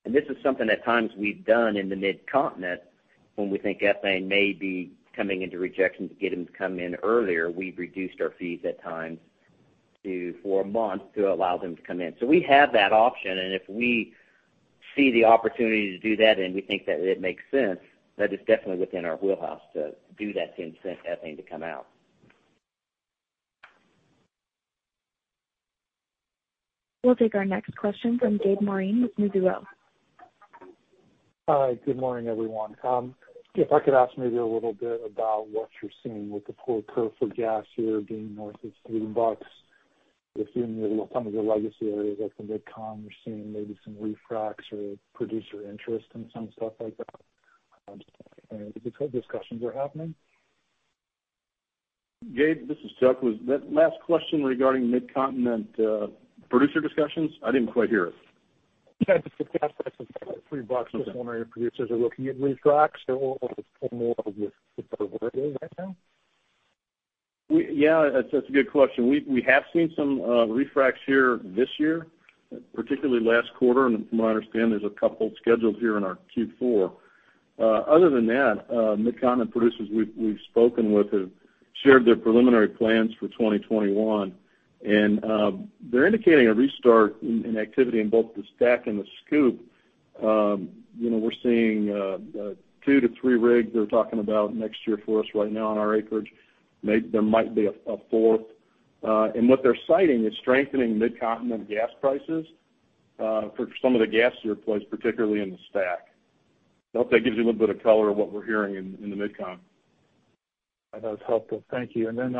This is something at times we've done in the Mid-Continent when we think ethane may be coming into rejection to get them to come in earlier. We've reduced our fees at times for a month to allow them to come in. We have that option, and if we see the opportunity to do that and we think that it makes sense, that is definitely within our wheelhouse to do that to incent ethane to come out. We'll take our next question from Gabe Moreen with Mizuho. Hi, good morning, everyone. If I could ask maybe a little bit about what you're seeing with the forward curve for gas here being north of $3, if you knew some of your legacy areas like the MidCon, we're seeing maybe some refracs or producer interest in some stuff like that, and if those discussions are happening? Gabe, this is Chuck. Was that last question regarding Mid-Continent producer discussions? I didn't quite hear it. Just with gas prices above $3, just wondering if producers are looking at refracs or more of your core areas right now? Yeah, that's a good question. We have seen some refracs here this year, particularly last quarter. From what I understand, there's a couple scheduled here in our Q4. Other than that, Mid-Continent producers we've spoken with have shared their preliminary plans for 2021, and they're indicating a restart in activity in both the STACK and the SCOOP. We're seeing two to three rigs they're talking about next year for us right now on our acreage. There might be a fourth. What they're citing is strengthening Mid-Continent gas prices for some of the gas surplus, particularly in the STACK. I hope that gives you a little bit of color on what we're hearing in the MidCon. That is helpful. Thank you. Then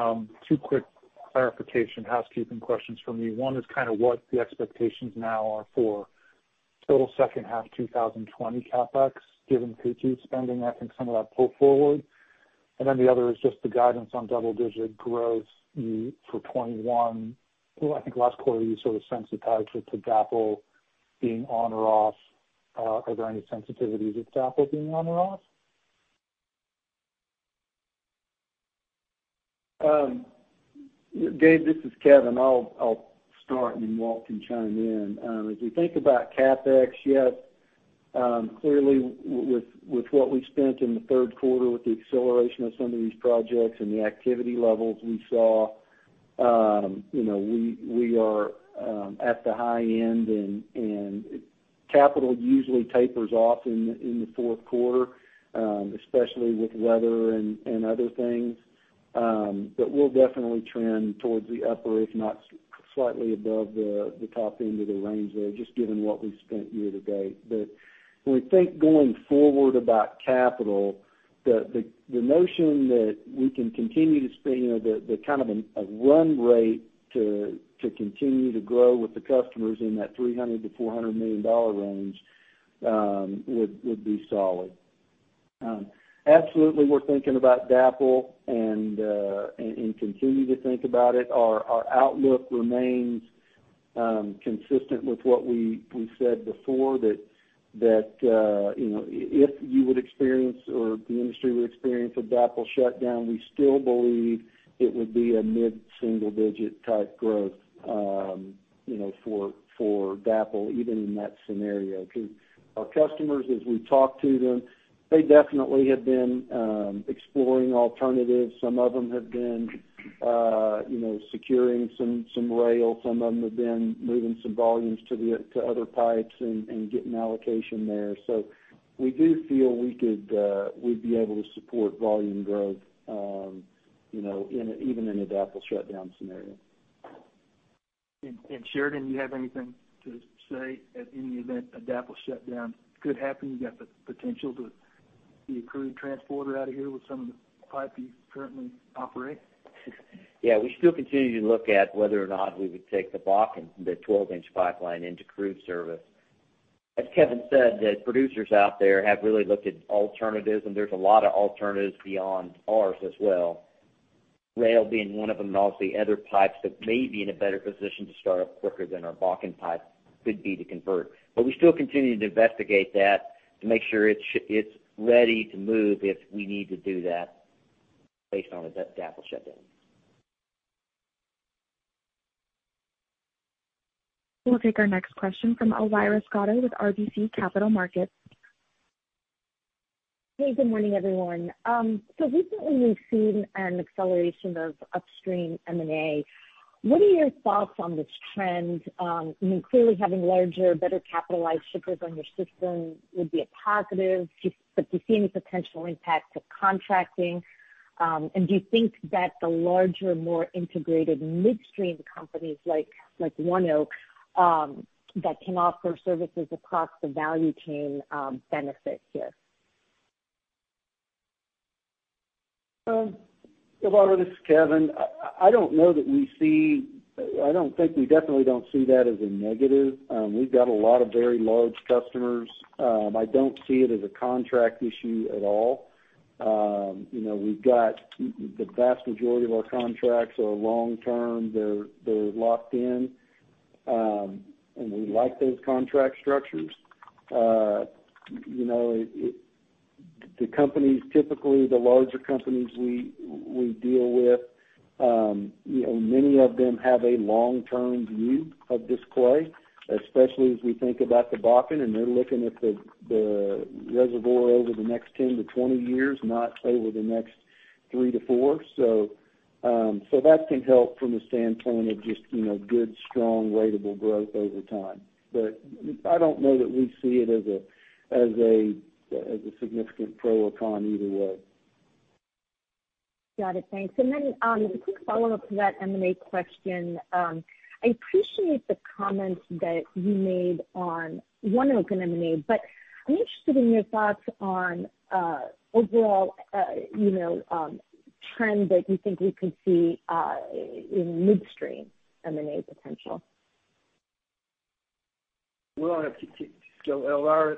two quick clarification housekeeping questions from me. One is what the expectations now are for total second half 2020 CapEx, given Q2 spending, I think some of that pull forward. Then the other is just the guidance on double-digit growth for 2021. I think last quarter you sort of sensitized it to DAPL being on or off. Are there any sensitivities with DAPL being on or off? Gabe, this is Kevin. I'll start, Walt can chime in. As we think about CapEx, clearly with what we've spent in the third quarter, with the acceleration of some of these projects and the activity levels we saw, we are at the high end. Capital usually tapers off in the fourth quarter, especially with weather and other things. We'll definitely trend towards the upper, if not slightly above the top end of the range there, just given what we've spent year to date. When we think going forward about capital, the notion that we can continue to spend the kind of a run rate to continue to grow with the customers in that $300 million-$400 million range would be solid. Absolutely, we're thinking about DAPL and continue to think about it. Our outlook remains consistent with what we said before, that if you would experience or the industry would experience a DAPL shutdown, we still believe it would be a mid-single digit type growth for DAPL even in that scenario. Our customers, as we talk to them, they definitely have been exploring alternatives. Some of them have been securing some rail. Some of them have been moving some volumes to other pipes and getting allocation there. We do feel we'd be able to support volume growth even in a DAPL shutdown scenario. Sheridan, do you have anything to say in the event a DAPL shutdown could happen? You got the potential to be a crude transporter out of here with some of the pipe you currently operate? Yeah, we still continue to look at whether or not we would take the Bakken, the 12-inch pipeline into crude service. As Kevin said, the producers out there have really looked at alternatives. There's a lot of alternatives beyond ours as well, rail being one of them, and obviously other pipes that may be in a better position to start up quicker than our Bakken pipe could be to convert. We still continue to investigate that to make sure it's ready to move if we need to do that based on a DAPL shutdown. We'll take our next question from Elvira Scotto with RBC Capital Markets. Hey, good morning, everyone. Recently we've seen an acceleration of upstream M&A. What are your thoughts on this trend? Clearly having larger, better capitalized shippers on your system would be a positive, but do you see any potential impacts of contracting? Do you think that the larger, more integrated midstream companies like ONEOK that can offer services across the value chain benefit here? Elvira, this is Kevin. I don't think we definitely don't see that as a negative. We've got a lot of very large customers. I don't see it as a contract issue at all. We've got the vast majority of our contracts are long-term. They're locked in, and we like those contract structures. The companies, typically the larger companies we deal with, many of them have a long-term view of this play, especially as we think about the Bakken. They're looking at the reservoir over the next 10 to 20 years, not over the next three to four. That can help from the standpoint of just good, strong ratable growth over time. I don't know that we see it as a significant pro or con either way. Got it. Thanks. A quick follow-up to that M&A question. I appreciate the comments that you made on ONEOK M&A, but I'm interested in your thoughts on overall trend that you think we could see in midstream M&A potential. Well, look, Elvira,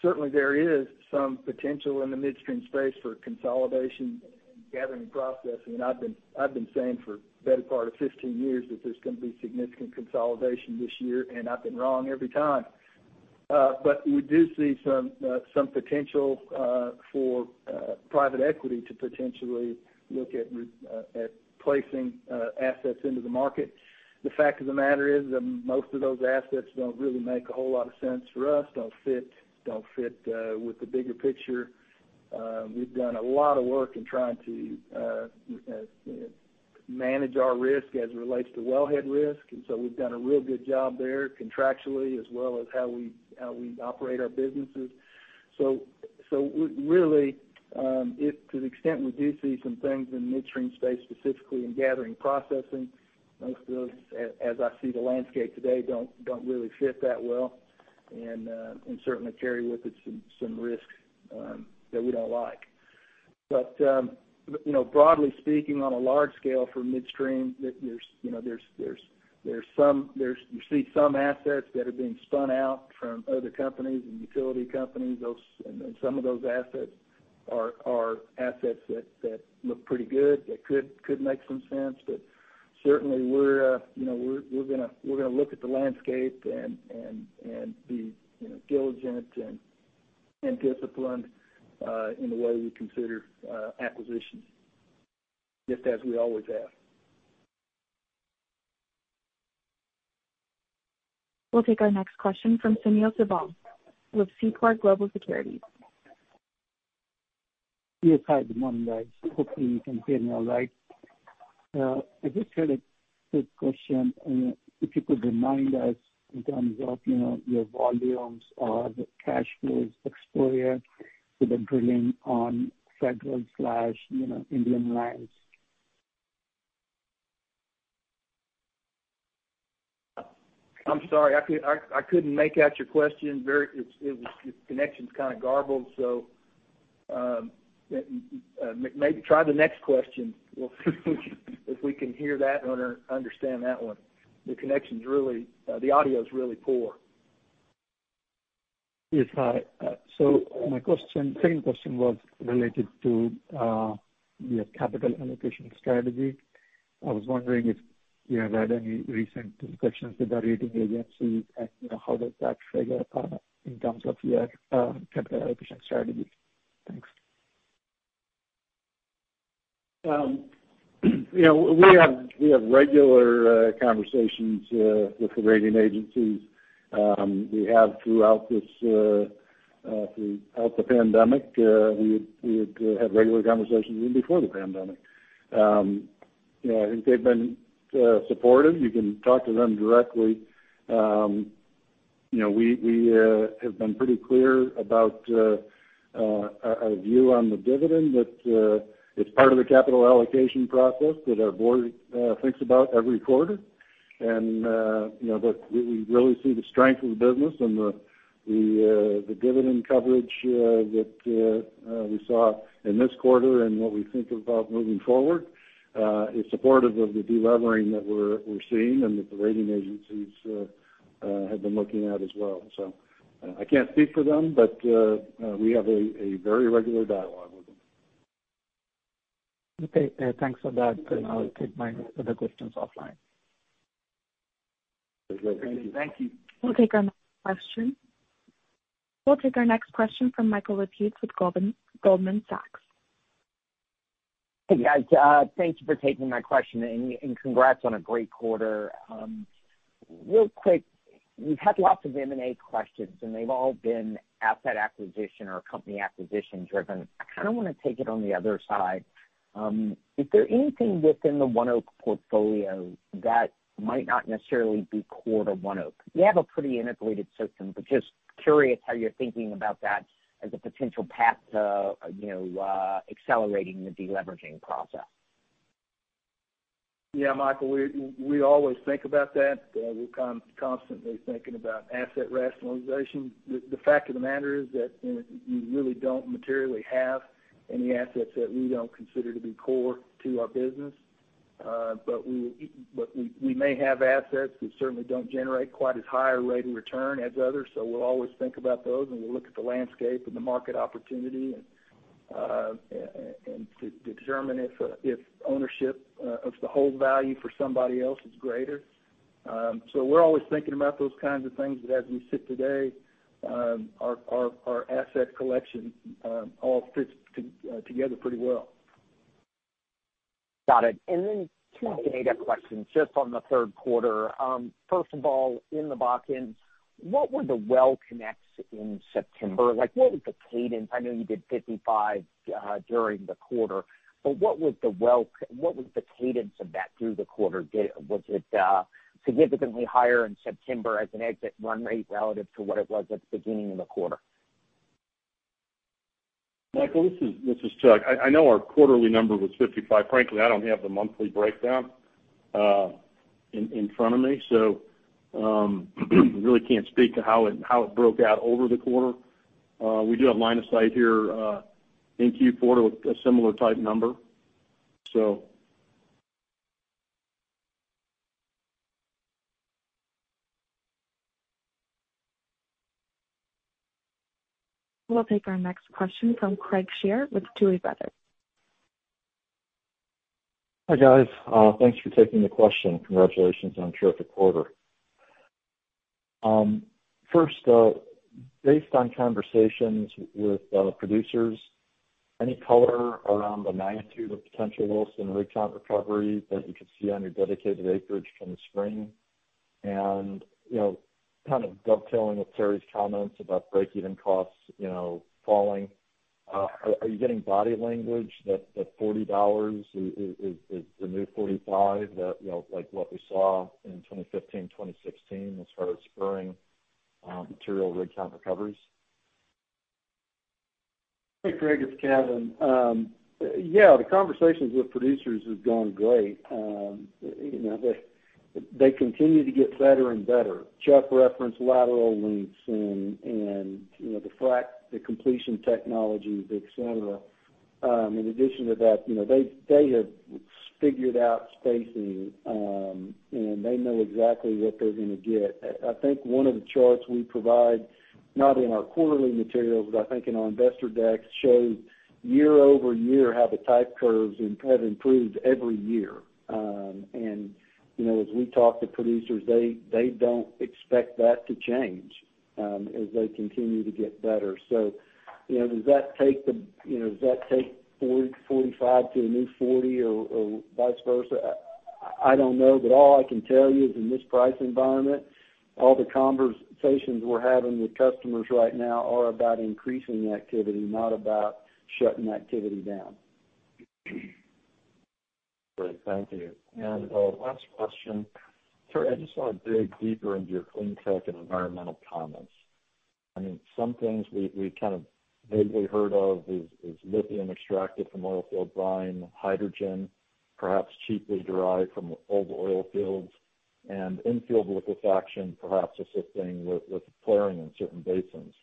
certainly there is some potential in the midstream space for consolidation and gathering processing. I've been saying for the better part of 15 years that there's going to be significant consolidation this year, and I've been wrong every time. We do see some potential for private equity to potentially look at placing assets into the market. The fact of the matter is that most of those assets don't really make a whole lot of sense for us, don't fit with the bigger picture. We've done a lot of work in trying to manage our risk as it relates to wellhead risk, we've done a real good job there contractually as well as how we operate our businesses. Really, if to the extent we do see some things in midstream, specifically in Gathering & Processing, most of those, as I see the landscape today, don't really fit that well, and certainly carry with it some risks that we don't like. Broadly speaking, on a large scale for midstream, you see some assets that are being spun out from other companies and utility companies. Some of those assets are assets that look pretty good, that could make some sense. Certainly, we're going to look at the landscape and be diligent and disciplined in the way we consider acquisitions, just as we always have. We'll take our next question from Sunil Sibal with Seaport Global Securities. Hi, good morning, guys. Hopefully you can hear me all right. I just had a quick question. If you could remind us in terms of your volumes or the cash flows exposure to the drilling on federal/Indian lands? I'm sorry, I couldn't make out your question very. Your connection's kind of garbled. Maybe try the next question. We'll see if we can hear that or understand that one. The audio is really poor. Yes. Hi. My second question was related to your capital allocation strategy. I was wondering if you have had any recent discussions with the rating agencies, and how does that figure in terms of your capital allocation strategy? Thanks. We have regular conversations with the rating agencies. We have throughout the pandemic. We would have regular conversations even before the pandemic. I think they've been supportive. You can talk to them directly. We have been pretty clear about our view on the dividend, that it's part of the capital allocation process that our board thinks about every quarter. We really see the strength of the business and the dividend coverage that we saw in this quarter and what we think about moving forward is supportive of the delevering that we're seeing and that the rating agencies have been looking at as well. I can't speak for them, but we have a very regular dialogue with them. Okay. Thanks for that. I'll take my other questions offline. Thank you. We'll take our next question from Michael Lapides with Goldman Sachs. Hey, guys. Thank you for taking my question, and congrats on a great quarter. Real quick, we've had lots of M&A questions, and they've all been asset acquisition or company acquisition-driven. I kind of want to take it on the other side. Is there anything within the ONEOK portfolio that might not necessarily be core to ONEOK? You have a pretty integrated system, but just curious how you're thinking about that as a potential path to accelerating the de-leveraging process. Yeah. Michael, we always think about that. We're constantly thinking about asset rationalization. The fact of the matter is that we really don't materially have any assets that we don't consider to be core to our business. We may have assets that certainly don't generate quite as high a rate of return as others. We'll always think about those, and we'll look at the landscape and the market opportunity, and to determine if ownership of the whole value for somebody else is greater. We're always thinking about those kinds of things. As we sit today, our asset collection all fits together pretty well. Got it. Two data questions, just on the third quarter. First of all, in the Bakken, what were the well connects in September? What was the cadence? I know you did 55 during the quarter, what was the cadence of that through the quarter? Was it significantly higher in September as an exit run rate relative to what it was at the beginning of the quarter? Michael, this is Chuck. I know our quarterly number was 55. Frankly, I don't have the monthly breakdown in front of me, so really can't speak to how it broke out over the quarter. We do have line of sight here in Q4 to a similar type number. We'll take our next question from Craig Shere with Tuohy Brothers. Hi, guys. Thanks for taking the question. Congratulations on a terrific quarter. First, based on conversations with producers, any color around the magnitude of potential Williston rig count recovery that you could see on your dedicated acreage from the spring? Kind of dovetailing with Terry's comments about break-even costs falling, are you getting body language that $40 is the new $45, like what we saw in 2015, 2016, as far as spurring material rig count recoveries? Hey, Craig, it's Kevin. Yeah, the conversations with producers have gone great. They continue to get better and better. Chuck referenced lateral lengths and the frack, the completion technologies, et cetera. In addition to that, they have figured out spacing, and they know exactly what they're going to get. I think one of the charts we provide, not in our quarterly materials, but I think in our investor deck, shows year-over-year how the type curves have improved every year. As we talk to producers, they don't expect that to change as they continue to get better. Does that take $45 to a new $40 or vice versa? I don't know. All I can tell you is in this price environment, all the conversations we're having with customers right now are about increasing activity, not about shutting activity down. Great. Thank you. Last question. Terry, I just want to dig deeper into your clean tech and environmental comments. Some things we've kind of vaguely heard of is lithium extracted from oil field brine, hydrogen perhaps cheaply derived from old oil fields, and infield liquefaction perhaps assisting with flaring in certain basins.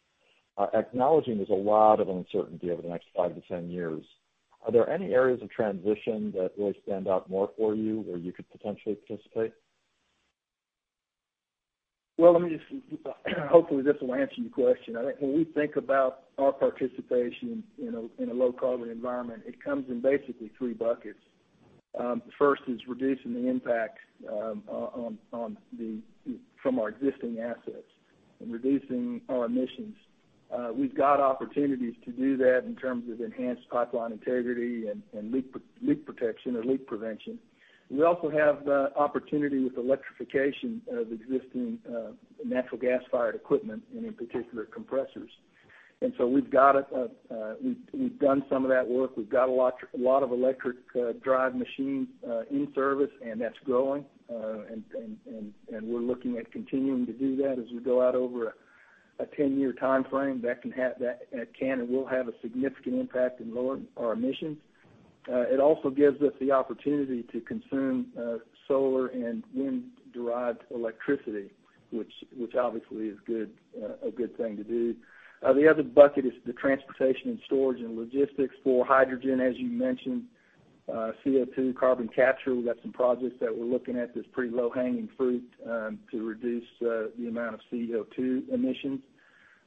Acknowledging there's a lot of uncertainty over the next five to 10 years, are there any areas of transition that really stand out more for you where you could potentially participate? Well, let me see. Hopefully, this will answer your question. When we think about our participation in a low-carbon environment, it comes in basically 3 buckets. First is reducing the impact from our existing assets and reducing our emissions. We've got opportunities to do that in terms of enhanced pipeline integrity and leak protection or leak prevention. We also have the opportunity with electrification of existing natural gas-fired equipment, and in particular, compressors. We've done some of that work. We've got a lot of electric drive machines in service, and that's growing. We're looking at continuing to do that as we go out over a 10-year timeframe. That can and will have a significant impact in lowering our emissions. It also gives us the opportunity to consume solar and wind-derived electricity, which obviously is a good thing to do. The other bucket is the transportation and storage and logistics for hydrogen, as you mentioned. CO2 carbon capture, we've got some projects that we're looking at that's pretty low-hanging fruit to reduce the amount of CO2 emissions.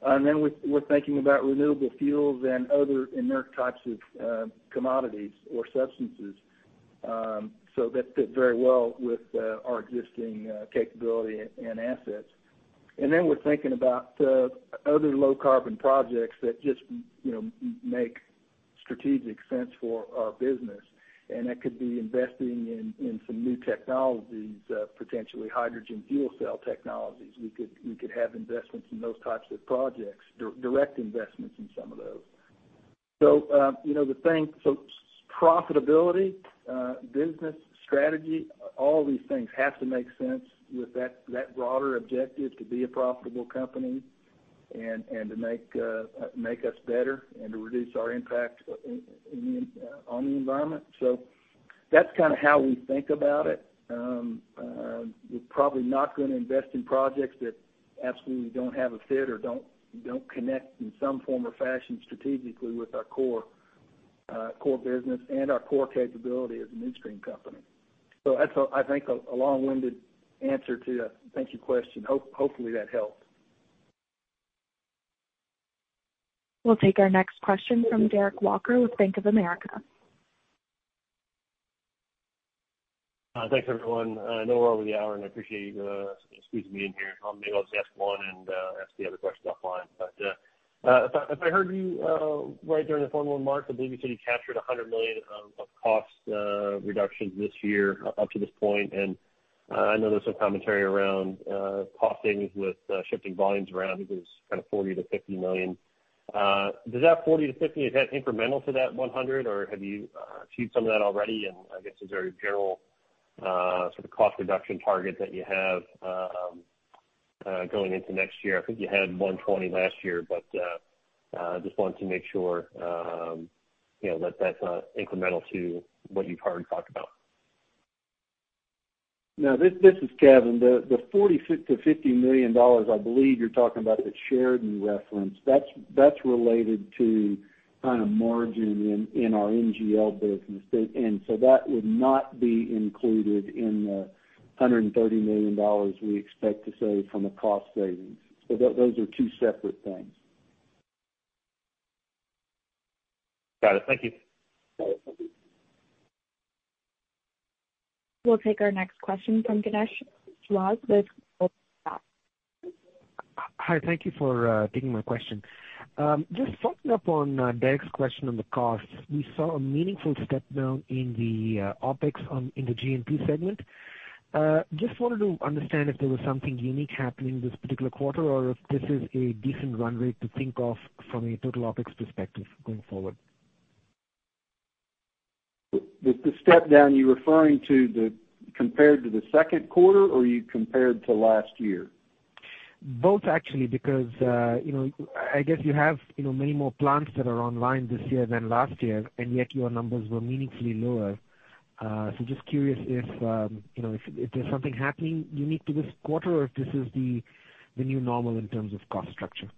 We're thinking about renewable fuels and other inert types of commodities or substances. That fit very well with our existing capability and assets. We're thinking about other low-carbon projects that just make strategic sense for our business, and that could be investing in some new technologies, potentially hydrogen fuel cell technologies. We could have investments in those types of projects, direct investments in some of those. Profitability, business strategy, all these things have to make sense with that broader objective to be a profitable company and to make us better and to reduce our impact on the environment. That's kind of how we think about it. We're probably not going to invest in projects that absolutely don't have a fit or don't connect in some form or fashion strategically with our core business and our core capability as a midstream company. That's, I think, a long-winded answer to your question. Hopefully, that helped. We'll take our next question from Derek Walker with Bank of America. Thanks, everyone. I know we're over the hour, and I appreciate you squeezing me in here. I'll maybe ask one and ask the other questions offline. If I heard you right during the formal remarks, I believe you said you captured $100 million of cost reductions this year up to this point. I know there's some commentary around cost saving with shifting volumes around. I think it was $40 million-$50 million. Does that $40 to $50, is that incremental to that $100, or have you achieved some of that already? I guess a very general sort of cost reduction target that you have going into next year. I think you had $120 million last year, but just wanted to make sure that's incremental to what you've already talked about. No, this is Kevin. The $40 million-$50 million, I believe you are talking about the Sheridan reference. That is related to kind of margin in our NGL business. That would not be included in the $130 million we expect to save from a cost savings. Those are two separate things. Got it. Thank you. Got it. Thank you. We'll take our next question from Ganesh Jois with Goldman Sachs. Hi. Thank you for taking my question. Just following up on Derek's question on the costs. We saw a meaningful step down in the OpEx in the G&P segment. Just wanted to understand if there was something unique happening this particular quarter or if this is a decent runway to think of from a total OpEx perspective going forward. The step down, you're referring to compared to the second quarter, or are you compared to last year? Both, actually, because I guess you have many more plants that are online this year than last year, and yet your numbers were meaningfully lower. Just curious if there's something happening unique to this quarter or if this is the new normal in terms of cost structure.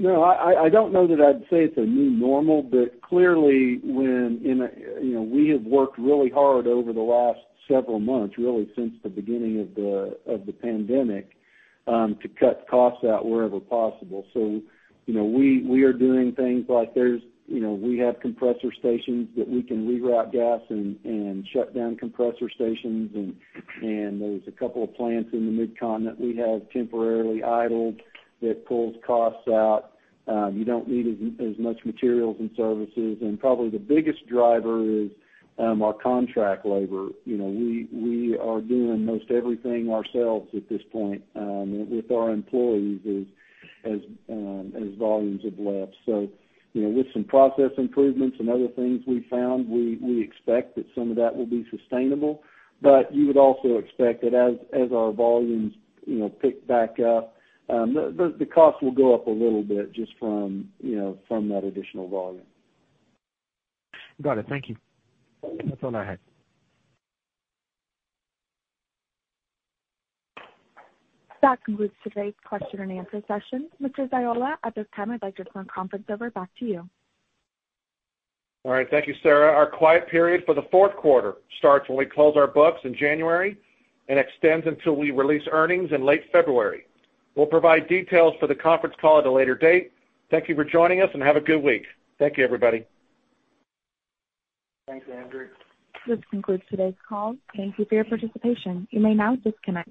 No. I don't know that I'd say it's a new normal, but clearly we have worked really hard over the last several months, really since the beginning of the pandemic, to cut costs out wherever possible. We are doing things like we have compressor stations that we can reroute gas and shut down compressor stations, and there's a couple of plants in the Mid-Continent we have temporarily idled that pulls costs out. You don't need as much materials and services. Probably the biggest driver is our contract labor. We are doing most everything ourselves at this point with our employees as volumes have left. With some process improvements and other things we found, we expect that some of that will be sustainable. You would also expect that as our volumes pick back up, the cost will go up a little bit just from that additional volume. Got it. Thank you. That's all I had. That concludes today's question and answer session. Mr. Ziola, at this time, I'd like to turn the conference over. Back to you. All right. Thank you, Sarah. Our quiet period for the fourth quarter starts when we close our books in January and extends until we release earnings in late February. We'll provide details for the conference call at a later date. Thank you for joining us, and have a good week. Thank you, everybody. Thanks, Andrew. This concludes today's call. Thank you for your participation. You may now disconnect.